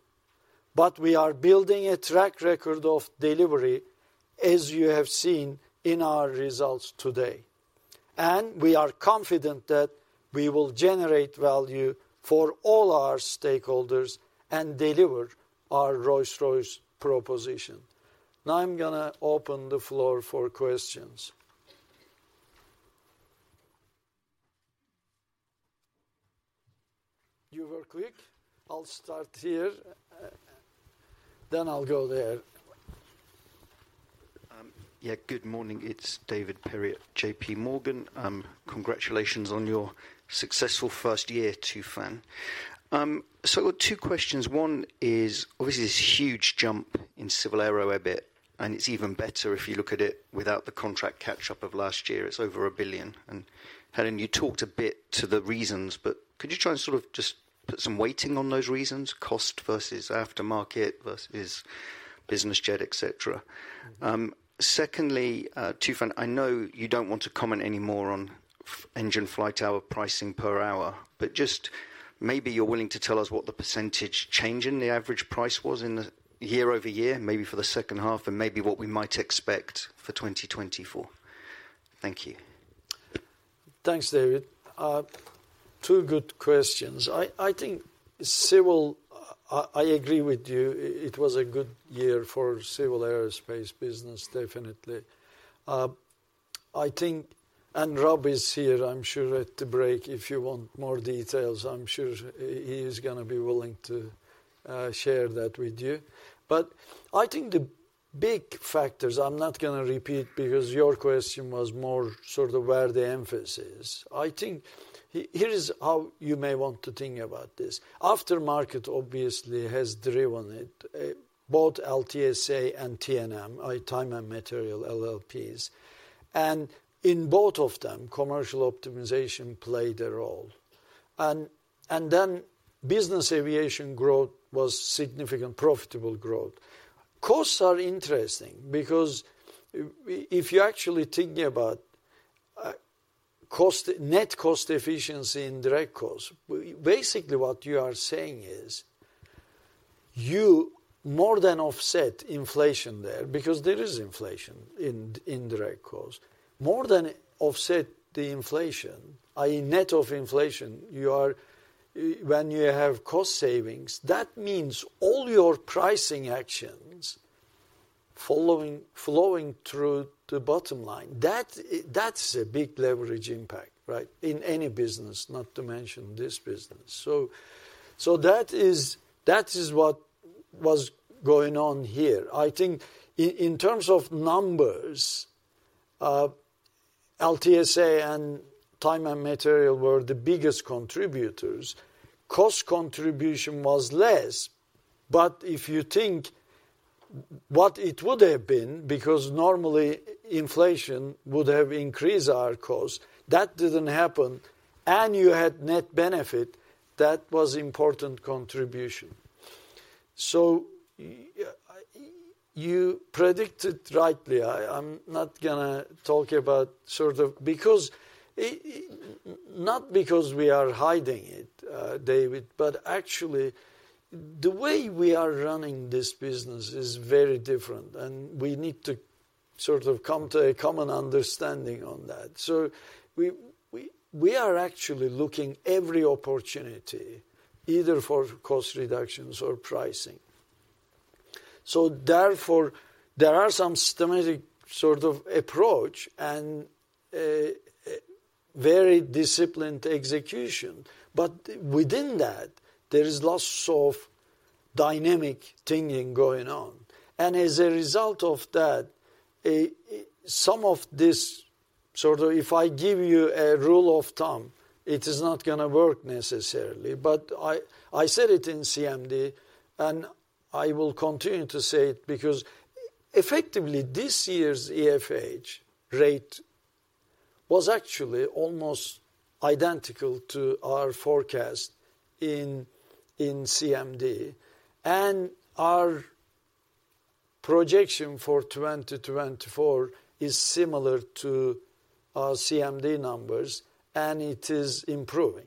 but we are building a track record of delivery, as you have seen in our results today, and we are confident that we will generate value for all our stakeholders and deliver our Rolls-Royce proposition. Now I'm going to open the floor for questions. You were quick. I'll start here, then I'll go there. Yeah, good morning. It's David Perry, JPMorgan. Congratulations on your successful first year, Tufan. So I've got two questions. One is, obviously, this huge jump in civil aero EBIT, and it's even better if you look at it without the contract catch-up of last year. It's over 1 billion. And Helen, you talked a bit to the reasons, but could you try and sort of just put some weighting on those reasons? Cost versus aftermarket versus business jet, etc. Secondly, Tufan, I know you don't want to comment any more on engine flight hour pricing per hour, but just maybe you're willing to tell us what the percentage change in the average price was year-over-year, maybe for the second half, and maybe what we might expect for 2024. Thank you. Thanks, David. Two good questions. I think civil, I agree with you. It was a good year for Civil Aerospace business, definitely. I think, and Rob is here, I'm sure, at the break. If you want more details, I'm sure he is going to be willing to share that with you. But I think the big factors, I'm not going to repeat because your question was more sort of where the emphasis is. I think here is how you may want to think about this. Aftermarket, obviously, has driven it, both LTSA and T&M, Time and Materials LLPs. And in both of them, commercial optimization played a role. And then business aviation growth was significant, profitable growth. Costs are interesting because if you actually think about net cost efficiency in direct costs, basically what you are saying is you more than offset inflation there because there is inflation in direct costs. More than offset the inflation, i.e., net of inflation, you are, when you have cost savings, that means all your pricing actions flowing through the bottom line. That's a big leverage impact, right, in any business, not to mention this business. So that is what was going on here. I think in terms of numbers, LTSA and Time and Materials were the biggest contributors. Cost contribution was less, but if you think what it would have been because normally inflation would have increased our costs, that didn't happen, and you had net benefit, that was an important contribution. So you predicted rightly. I'm not going to talk about sort of because not because we are hiding it, David, but actually the way we are running this business is very different, and we need to sort of come to a common understanding on that. So we are actually looking at every opportunity, either for cost reductions or pricing. So therefore, there are some systematic sort of approach and very disciplined execution, but within that, there is lots of dynamic thinking going on. And as a result of that, some of this sort of, if I give you a rule of thumb, it is not going to work necessarily. But I said it in CMD, and I will continue to say it because effectively this year's EFH rate was actually almost identical to our forecast in CMD, and our projection for 2024 is similar to CMD numbers, and it is improving.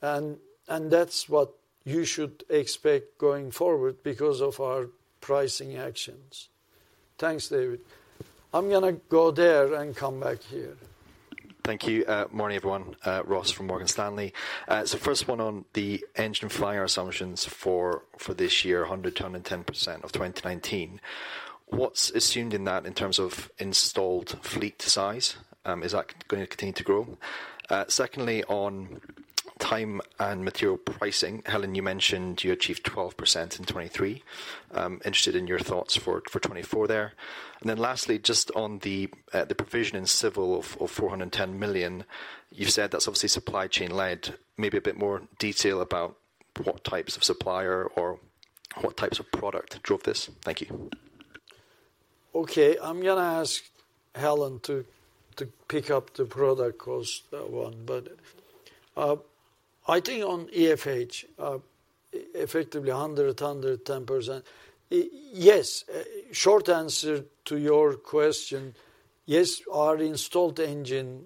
That's what you should expect going forward because of our pricing actions. Thanks, David. I'm going to go there and come back here. Thank you. Morning, everyone. Ross from Morgan Stanley. So first one on the engine flying hours assumptions for this year, 100%-110% of 2019. What's assumed in that in terms of installed fleet size? Is that going to continue to grow? Secondly, on time and material pricing, Helen, you mentioned you achieved 12% in 2023. Interested in your thoughts for 2024 there. And then lastly, just on the provision in civil of 410 million, you've said that's obviously supply chain-led. Maybe a bit more detail about what types of supplier or what types of product drove this. Thank you. Okay. I'm going to ask Helen to pick up the product cost one, but I think on EFH, effectively 100%-110%, yes, short answer to your question, yes, our installed engine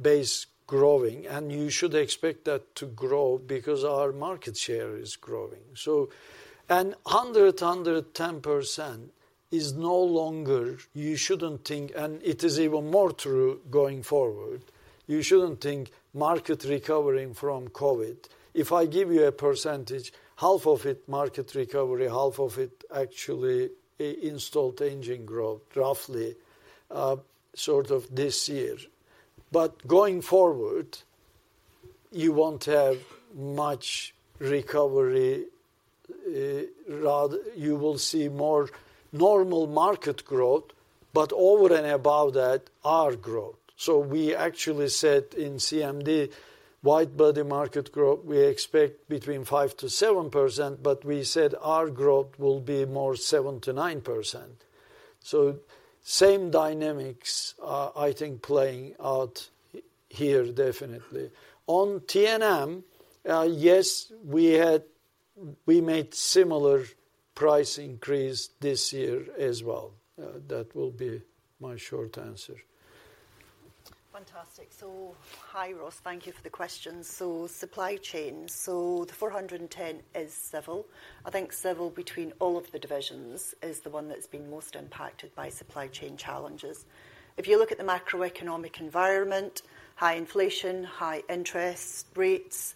base is growing, and you should expect that to grow because our market share is growing. So and 100%-110% is no longer you shouldn't think, and it is even more true going forward, you shouldn't think market recovering from COVID. If I give you a percentage, half of it market recovery, half of it actually installed engine growth, roughly, sort of this year. But going forward, you won't have much recovery. Rather, you will see more normal market growth, but over and above that, our growth. So we actually said in CMD, widebody market growth, we expect between 5%-7%, but we said our growth will be more 7%-9%. So same dynamics, I think, playing out here, definitely. On T&M, yes, we made similar price increase this year as well. That will be my short answer. Fantastic. So hi, Ross. Thank you for the questions. So supply chain. So the 410 is civil. I think civil between all of the divisions is the one that's been most impacted by supply chain challenges. If you look at the macroeconomic environment, high inflation, high interest rates,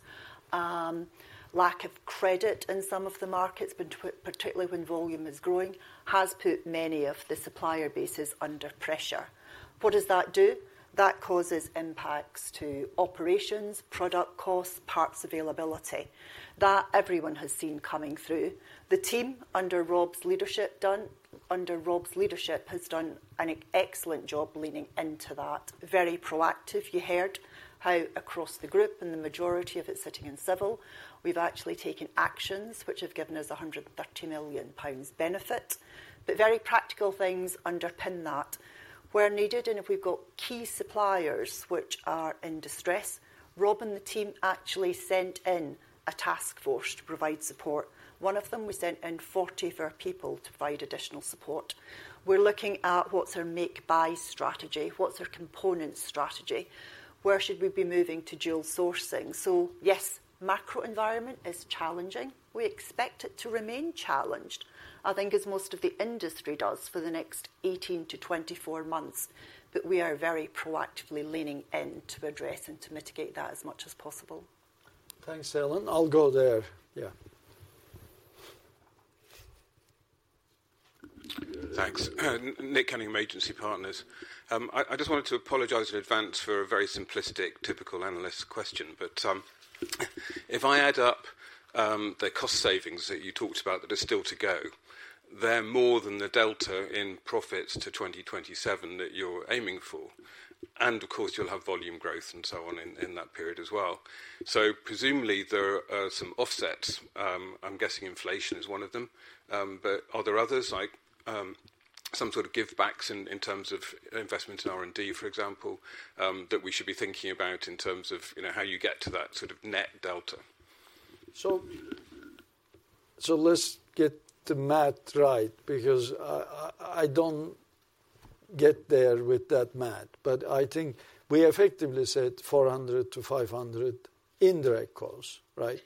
lack of credit in some of the markets, particularly when volume is growing, has put many of the supplier bases under pressure. What does that do? That causes impacts to operations, product costs, parts availability. That everyone has seen coming through. The team under Rob's leadership, Don, under Rob's leadership, has done an excellent job leaning into that. Very proactive. You heard how across the group and the majority of it sitting in civil, we've actually taken actions which have given us 130 million pounds benefit. But very practical things underpin that. Where needed, and if we've got key suppliers which are in distress, Rob and the team actually sent in a task force to provide support. One of them, we sent in 44 people to provide additional support. We're looking at what's our make-buy strategy, what's our component strategy, where should we be moving to dual sourcing. So yes, macro environment is challenging. We expect it to remain challenged, I think, as most of the industry does for the next 18-24 months. But we are very proactively leaning in to address and to mitigate that as much as possible. Thanks, Helen. I'll go there. Yeah. Thanks. Nick Cunningham, Agency Partners. I just wanted to apologize in advance for a very simplistic, typical analyst question. But if I add up the cost savings that you talked about that are still to go, they're more than the delta in profits to 2027 that you're aiming for. And of course, you'll have volume growth and so on in that period as well. So presumably, there are some offsets. I'm guessing inflation is one of them. But are there others, like some sort of give-backs in terms of investment in R&D, for example, that we should be thinking about in terms of how you get to that sort of net delta? So let's get the math right because I don't get there with that math. But I think we effectively said 400-500 indirect costs, right,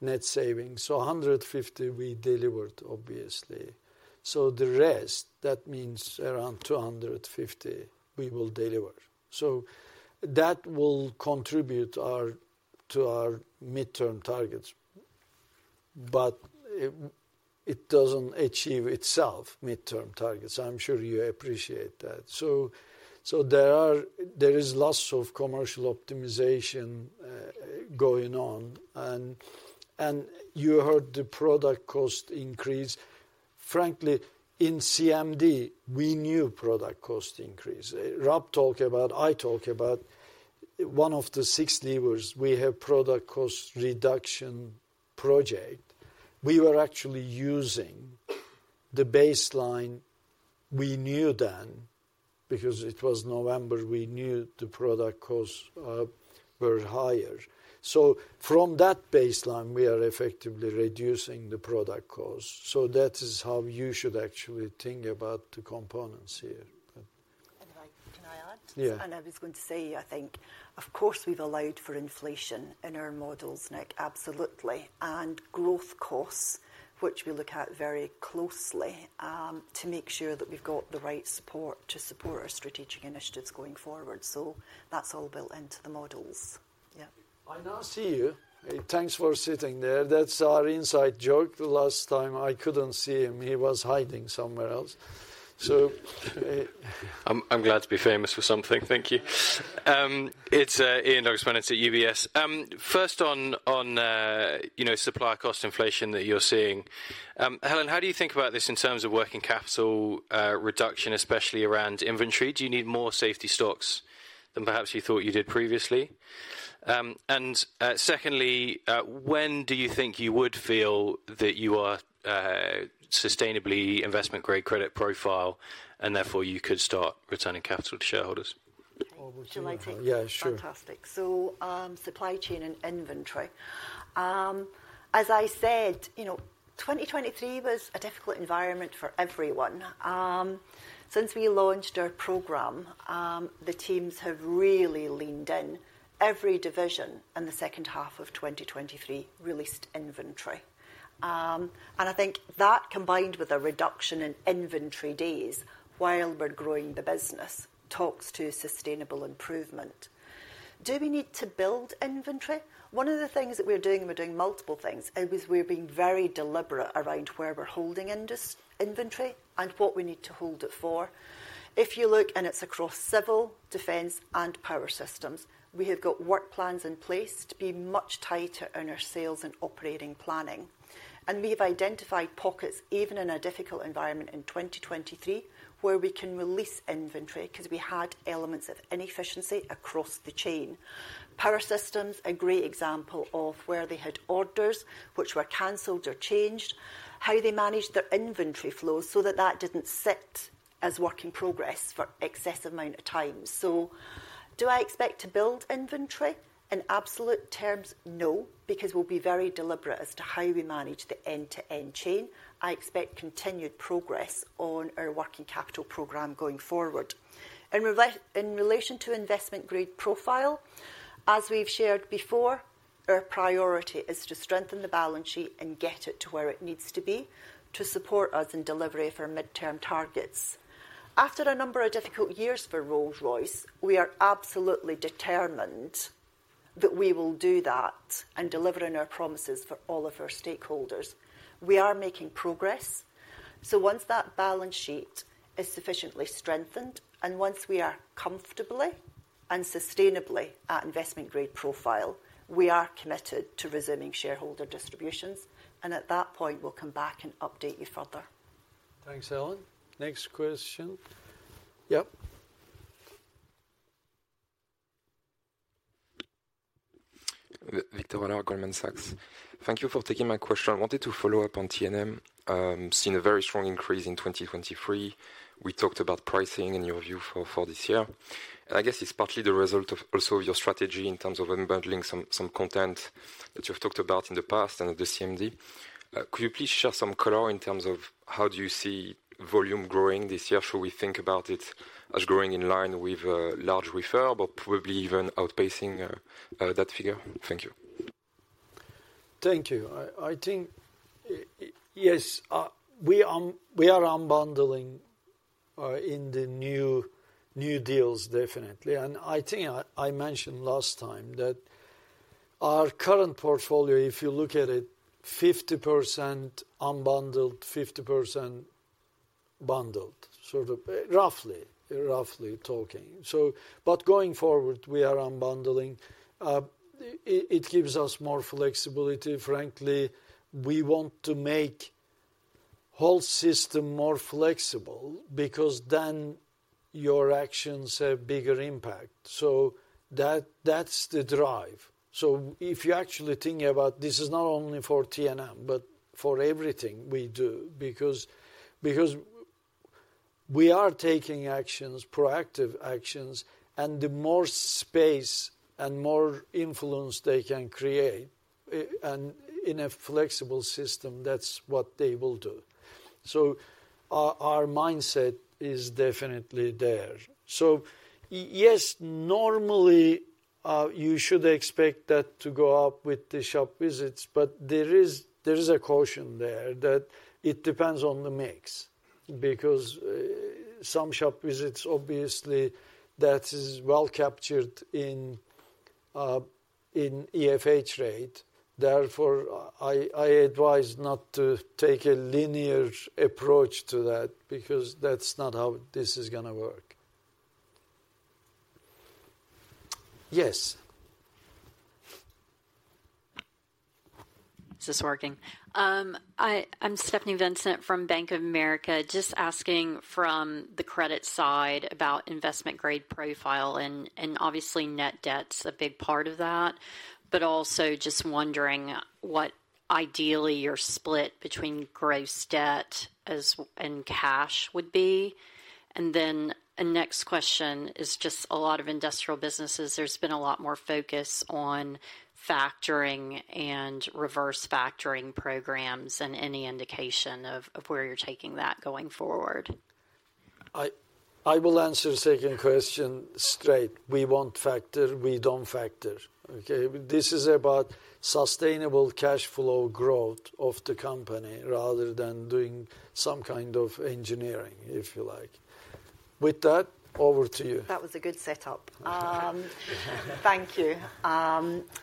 net savings. So 150 we delivered, obviously. So the rest, that means around 250 we will deliver. So that will contribute to our mid-term targets. But it doesn't achieve itself, mid-term targets. I'm sure you appreciate that. So there is lots of commercial optimization going on. And you heard the product cost increase. Frankly, in CMD, we knew product cost increase. Rob talked about, I talked about, one of the six levers, we have product cost reduction project. We were actually using the baseline we knew then because it was November, we knew the product costs were higher. So from that baseline, we are effectively reducing the product costs. So that is how you should actually think about the components here. Can I add? Yeah. I know I was going to say, I think, of course, we've allowed for inflation in our models, Nick, absolutely, and growth costs, which we look at very closely to make sure that we've got the right support to support our strategic initiatives going forward. So that's all built into the models. Yeah. I now see you. Thanks for sitting there. That's our inside joke. The last time, I couldn't see him. He was hiding somewhere else. So. I'm glad to be famous for something. Thank you. It's Ian Douglas-Pennant at UBS. First on supplier cost inflation that you're seeing. Helen, how do you think about this in terms of working capital reduction, especially around inventory? Do you need more safety stocks than perhaps you thought you did previously? And secondly, when do you think you would feel that you are sustainably investment-grade credit profile and therefore you could start returning capital to shareholders? Shall I take one? Yeah, sure. Fantastic. So supply chain and inventory. As I said, 2023 was a difficult environment for everyone. Since we launched our program, the teams have really leaned in. Every division in the second half of 2023 released inventory. And I think that, combined with a reduction in inventory days while we're growing the business, talks to sustainable improvement. Do we need to build inventory? One of the things that we're doing, we're doing multiple things, is we're being very deliberate around where we're holding inventory and what we need to hold it for. If you look, and it's across Civil, Defence, and Power Systems, we have got work plans in place to be much tighter on our sales and operating planning. And we've identified pockets, even in a difficult environment in 2023, where we can release inventory because we had elements of inefficiency across the chain. Power Systems, a great example of where they had orders which were cancelled or changed, how they managed their inventory flows so that that didn't sit as work in progress for excessive amount of time. So do I expect to build inventory? In absolute terms, no, because we'll be very deliberate as to how we manage the end-to-end chain. I expect continued progress on our working capital program going forward. In relation to investment-grade profile, as we've shared before, our priority is to strengthen the balance sheet and get it to where it needs to be to support us in delivery of our mid-term targets. After a number of difficult years for Rolls-Royce, we are absolutely determined that we will do that and deliver on our promises for all of our stakeholders. We are making progress. Once that balance sheet is sufficiently strengthened and once we are comfortably and sustainably at investment-grade profile, we are committed to resuming shareholder distributions. At that point, we'll come back and update you further. Thanks, Helen. Next question. Yep. Victor Allard, Goldman Sachs. Thank you for taking my question. I wanted to follow up on T&M. Seen a very strong increase in 2023. We talked about pricing and your view for this year. I guess it's partly the result also of your strategy in terms of unbundling some content that you've talked about in the past and at the CMD. Could you please share some color in terms of how do you see volume growing this year? Should we think about it as growing in line with a large referral but probably even outpacing that figure? Thank you. Thank you. I think, yes, we are unbundling in the new deals, definitely. I think I mentioned last time that our current portfolio, if you look at it, 50% unbundled, 50% bundled, sort of roughly, roughly talking. But going forward, we are unbundling. It gives us more flexibility. Frankly, we want to make the whole system more flexible because then your actions have bigger impact. So that's the drive. So if you actually think about this is not only for T&M but for everything we do because we are taking actions, proactive actions, and the more space and more influence they can create in a flexible system, that's what they will do. So our mindset is definitely there. So yes, normally, you should expect that to go up with the shop visits. There is a caution there that it depends on the mix because some shop visits, obviously, that is well captured in EFH rate. Therefore, I advise not to take a linear approach to that because that's not how this is going to work. Yes. Is this working? I'm Stephanie Vincent from Bank of America, just asking from the credit side about investment-grade profile and obviously, net debt's a big part of that. But also just wondering what ideally your split between gross debt and cash would be. And then a next question is just a lot of industrial businesses, there's been a lot more focus on factoring and reverse factoring programs and any indication of where you're taking that going forward. I will answer the second question straight. We won't factor. We don't factor, OK? This is about sustainable cash flow growth of the company rather than doing some kind of engineering, if you like. With that, over to you. That was a good setup. Thank you.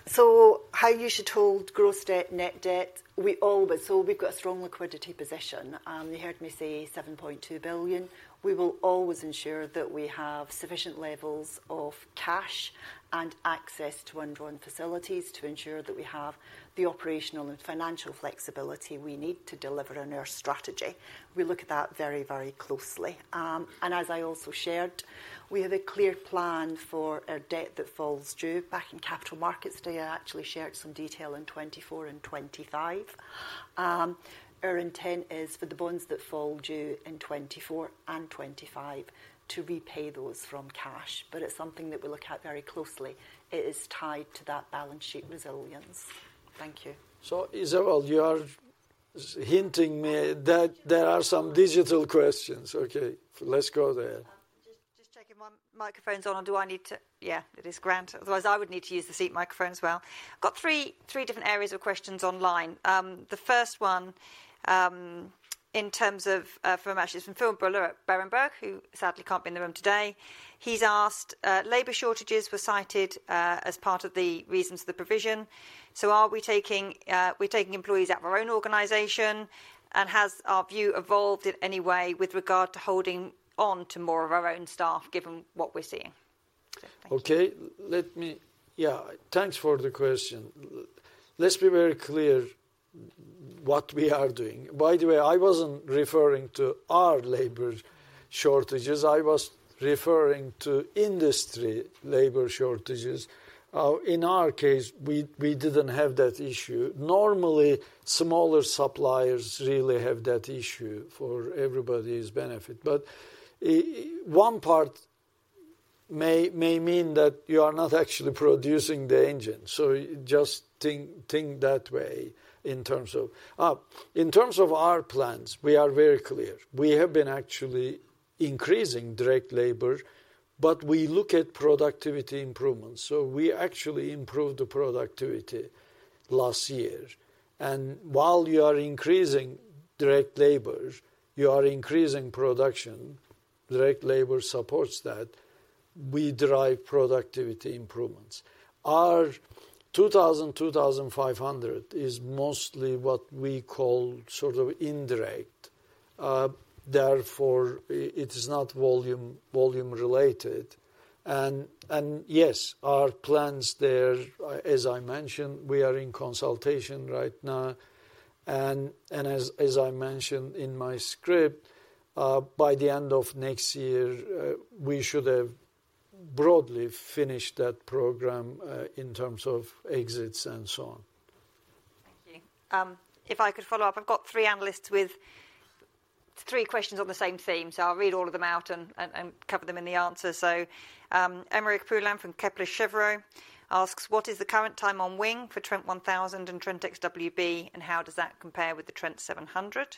So how you should hold gross debt, net debt, we've got a strong liquidity position. You heard me say 7.2 billion. We will always ensure that we have sufficient levels of cash and access to underwritten facilities to ensure that we have the operational and financial flexibility we need to deliver on our strategy. We look at that very, very closely. As I also shared, we have a clear plan for our debt that falls due. Back in Capital Markets Day, I actually shared some detail in 2024 and 2025. Our intent is for the bonds that fall due in 2024 and 2025 to repay those from cash. But it's something that we look at very closely. It is tied to that balance sheet resilience. Thank you. So Isabel, you are hinting me there are some digital questions, OK? Let's go there. Just checking my microphone's on. Do I need to? Yeah, it is grand. Otherwise, I would need to use the seat microphone as well. I've got three different areas of questions online. The first one in terms of from actually, it's from Phil Buller at Berenberg, who sadly can't be in the room today. He's asked, labor shortages were cited as part of the reasons for the provision. So are we taking employees at our own organization? And has our view evolved in any way with regard to holding on to more of our own staff given what we're seeing? OK, yeah, let me thank you for the question. Let's be very clear what we are doing. By the way, I wasn't referring to our labor shortages. I was referring to industry labor shortages. In our case, we didn't have that issue. Normally, smaller suppliers really have that issue for everybody's benefit. But one part may mean that you are not actually producing the engine. So just think that way in terms of our plans; we are very clear. We have been actually increasing direct labor. But we look at productivity improvements. So we actually improved the productivity last year. And while you are increasing direct labor, you are increasing production. Direct labor supports that. We drive productivity improvements. Our 2,000, 2,500 is mostly what we call sort of indirect. Therefore, it is not volume-related. Yes, our plans there, as I mentioned, we are in consultation right now. As I mentioned in my script, by the end of next year, we should have broadly finished that program in terms of exits and so on. Thank you. If I could follow up, I've got three analysts with three questions on the same theme. So I'll read all of them out and cover them in the answers. So Aymeric Poulain from Kepler Cheuvreux asks, what is the current time on wing for Trent 1000 and Trent XWB, and how does that compare with the Trent 700.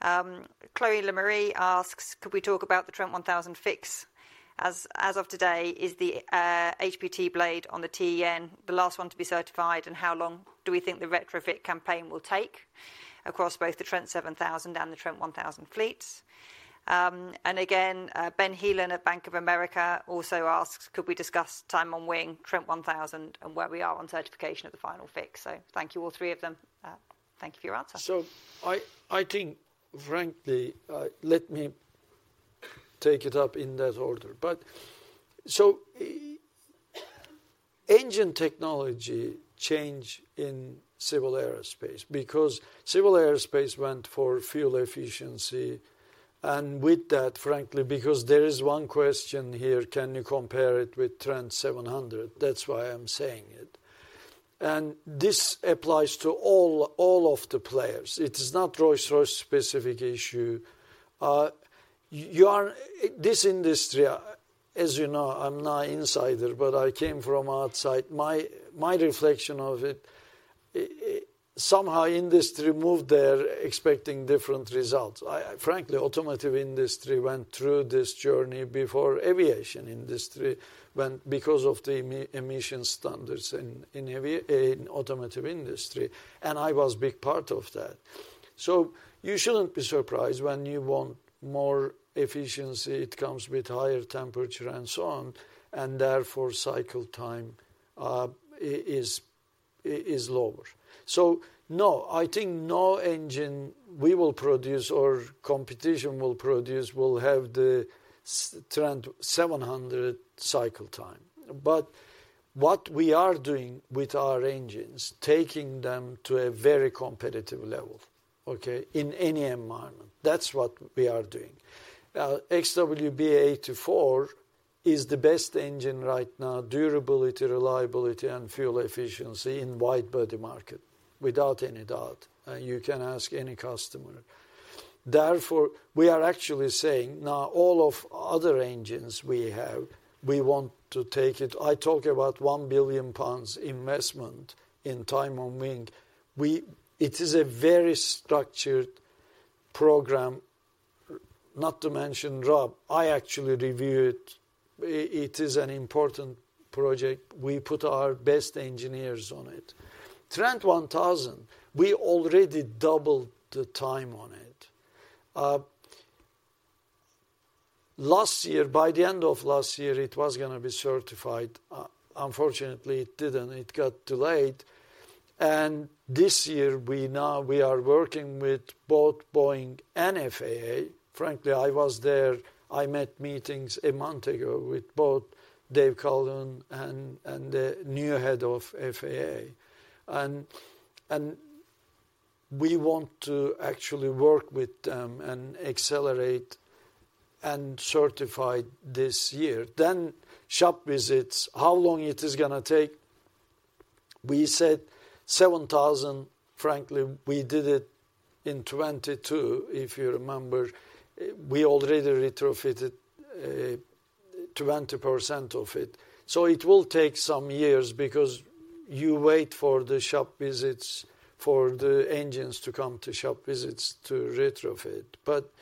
Chloé Lemarié asks, could we talk about the Trent 1000 fix? As of today, is the HPT blade on the XWB the last one to be certified? And how long do we think the retrofit campaign will take across both the Trent 7000 and the Trent 1000 fleets? And again, Ben Heelan at Bank of America also asks, could we discuss time on wing, Trent 1000, and where we are on certification of the final fix? So thank you, all three of them. Thank you for your answer. So I think, frankly, let me take it up in that order. But engine technology change in Civil Aerospace because Civil Aerospace went for fuel efficiency. And with that, frankly, because there is one question here, can you compare it with Trent 700? That's why I'm saying it. And this applies to all of the players. It is not Rolls-Royce-specific issue. You are this industry, as you know, I'm not an insider, but I came from outside. My reflection of it, somehow, industry moved there expecting different results. Frankly, automotive industry went through this journey before aviation industry went because of the emission standards in automotive industry. And I was a big part of that. So you shouldn't be surprised when you want more efficiency. It comes with higher temperature and so on. And therefore, cycle time is lower. So no, I think no engine we will produce or competition will produce will have the Trent 700 cycle time. But what we are doing with our engines, taking them to a very competitive level, OK, in any environment, that's what we are doing. XWB-84 is the best engine right now, durability, reliability, and fuel efficiency in the widebody market, without any doubt. You can ask any customer. Therefore, we are actually saying now all of the other engines we have, we want to take it. I talk about 1 billion pounds investment in time on wing. It is a very structured program, not to mention Rob. I actually reviewed it. It is an important project. We put our best engineers on it. Trent 1000, we already doubled the time on it. Last year, by the end of last year, it was going to be certified. Unfortunately, it didn't. It got delayed. This year, we are working with both Boeing and FAA. Frankly, I was there. I met meetings a month ago with both Dave Calhoun and the new head of FAA. We want to actually work with them and accelerate and certify this year. Then shop visits, how long it is going to take? We said 7,000. Frankly, we did it in 2022, if you remember. We already retrofitted 20% of it. It will take some years because you wait for the shop visits, for the engines to come to shop visits to retrofit. But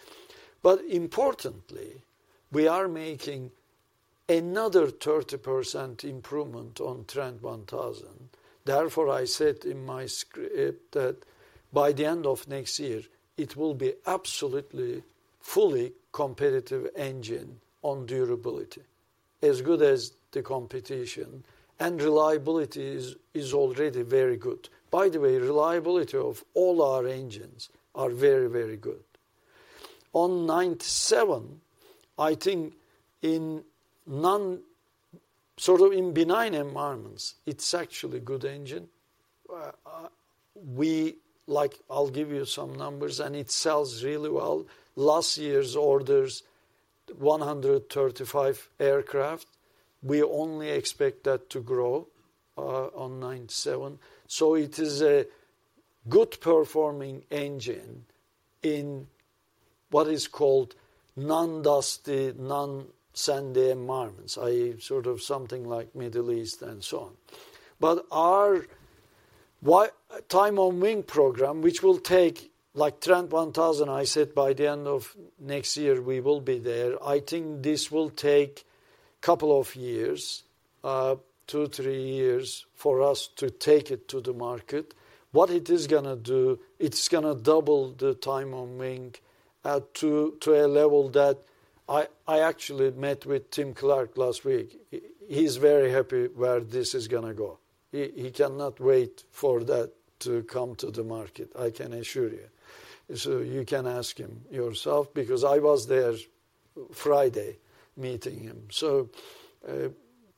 importantly, we are making another 30% improvement on Trent 1000. Therefore, I said in my script that by the end of next year, it will be absolutely, fully competitive engine on durability as good as the competition. Reliability is already very good. By the way, reliability of all our engines are very, very good. On 97, I think in non-benign environments, it's actually a good engine. We like, I'll give you some numbers. And it sells really well. Last year's orders, 135 aircraft. We only expect that to grow on 97. So it is a good-performing engine in what is called non-dusty, non-sandy environments, I sort of something like Middle East and so on. But our time-on-wing program, which will take like Trent 1000, I said by the end of next year, we will be there. I think this will take a couple of years, two, three years for us to take it to the market. What it is going to do, it's going to double the time on wing to a level that I actually met with Tim Clark last week. He's very happy where this is going to go. He cannot wait for that to come to the market, I can assure you. So you can ask him yourself because I was there Friday, meeting him. So,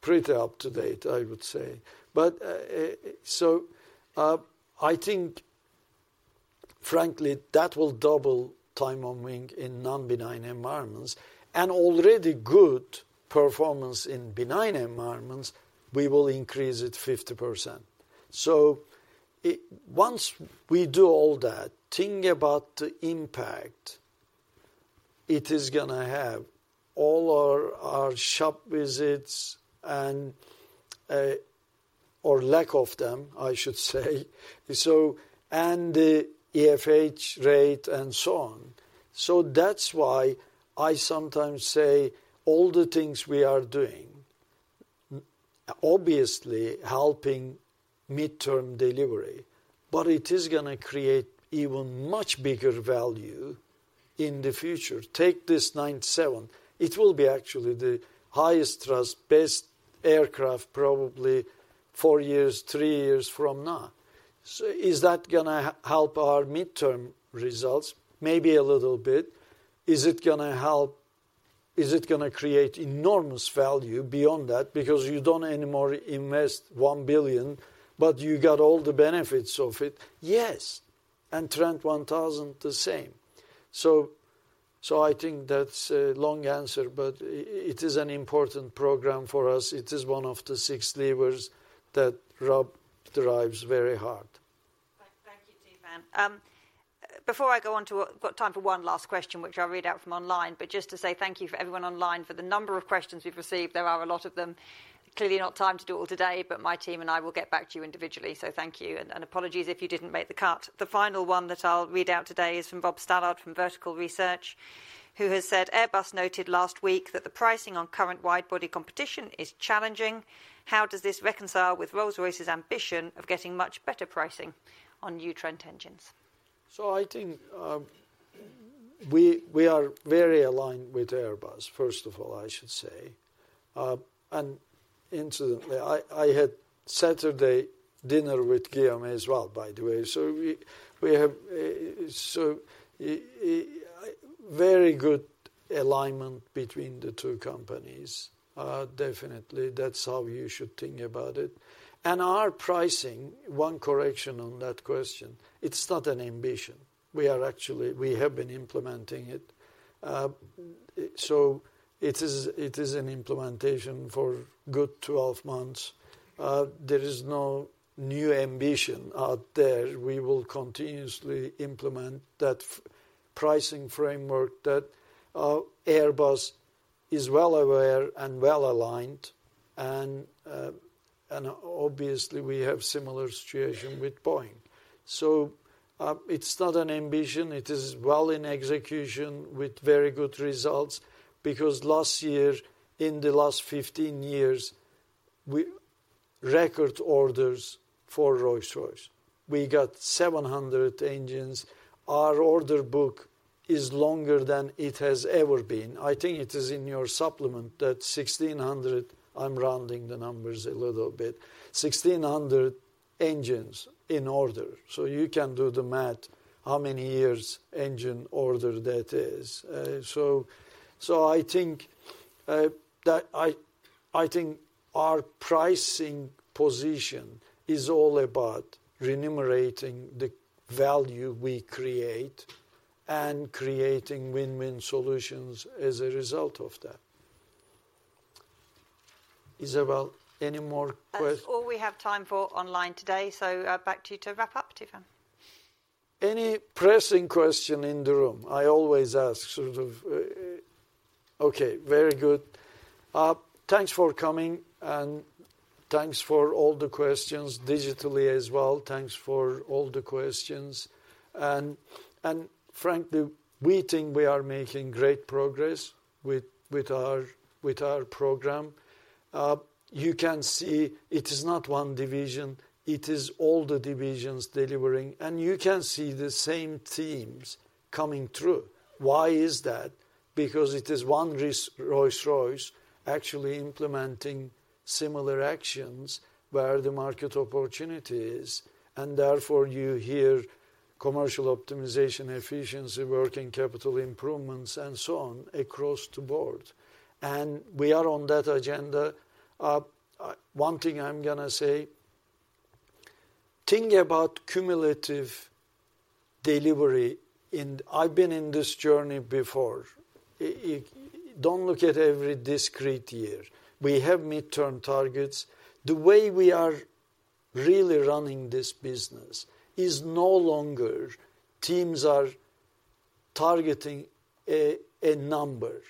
pretty up to date, I would say. But so I think, frankly, that will double time on wing in non-benign environments. And already good performance in benign environments, we will increase it 50%. So once we do all that, think about the impact it is going to have, all our shop visits and or lack of them, I should say, so and the EFH rate and so on. So that's why I sometimes say all the things we are doing, obviously, helping midterm delivery. But it is going to create even much bigger value in the future. Take this 97. It will be actually the highest-thrust, best aircraft probably 4 years, 3 years from now. So is that going to help our mid-term results? Maybe a little bit. Is it going to help? Is it going to create enormous value beyond that because you don't anymore invest 1 billion, but you got all the benefits of it? Yes. And Trent 1000, the same. So I think that's a long answer. It is an important program for us. It is one of the six levers that Rob drives very hard. Thank you, Tufan. Before I go on to I've got time for one last question, which I'll read out from online. But just to say thank you for everyone online for the number of questions we've received. There are a lot of them. Clearly, not time to do all today. But my team and I will get back to you individually. So thank you. And apologies if you didn't make the cut. The final one that I'll read out today is from Bob Stallard from Vertical Research, who has said, "Airbus noted last week that the pricing on current widebody competition is challenging. How does this reconcile with Rolls-Royce's ambition of getting much better pricing on new Trent engines? So I think we are very aligned with Airbus, first of all, I should say. And incidentally, I had Saturday dinner with Guillaume as well, by the way. So we have so very good alignment between the two companies, definitely. That's how you should think about it. And our pricing, one correction on that question, it's not an ambition. We are actually we have been implementing it. So it is an implementation for good 12 months. There is no new ambition out there. We will continuously implement that pricing framework that Airbus is well aware and well aligned. And obviously, we have a similar situation with Boeing. So it's not an ambition. It is well in execution with very good results because last year, in the last 15 years, we record orders for Rolls-Royce. We got 700 engines. Our order book is longer than it has ever been. I think it is in your supplement that 1,600, I'm rounding the numbers a little bit, 1,600 engines in order. So you can do the math how many years engine order that is. So I think that I think our pricing position is all about remunerating the value we create and creating win-win solutions as a result of that. Isabel, any more questions? That's all we have time for online today. So back to you to wrap up, Tufan. Any pressing question in the room? I always ask sort of, OK, very good. Thanks for coming. Thanks for all the questions digitally as well. Thanks for all the questions. And frankly, we think we are making great progress with our program. You can see it is not one division. It is all the divisions delivering. You can see the same themes coming through. Why is that? Because it is one Rolls-Royce actually implementing similar actions where the market opportunity is. Therefore, you hear commercial optimization, efficiency, working capital improvements, and so on across the board. We are on that agenda. One thing I'm going to say, think about cumulative delivery. I've been in this journey before. Don't look at every discrete year. We have midterm targets. The way we are really running this business is no longer teams are targeting a number.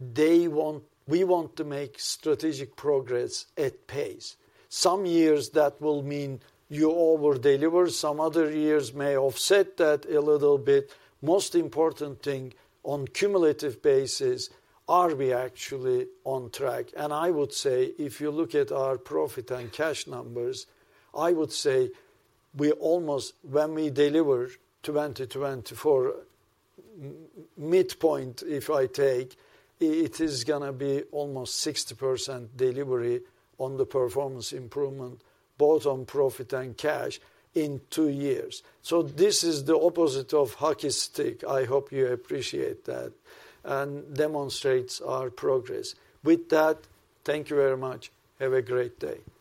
They want we want to make strategic progress at pace. Some years, that will mean you overdeliver. Some other years may offset that a little bit. Most important thing on a cumulative basis, are we actually on track? And I would say, if you look at our profit and cash numbers, I would say we almost when we deliver 2024 midpoint, if I take, it is going to be almost 60% delivery on the performance improvement, both on profit and cash, in two years. So this is the opposite of hockey stick. I hope you appreciate that and demonstrate our progress. With that, thank you very much. Have a great day.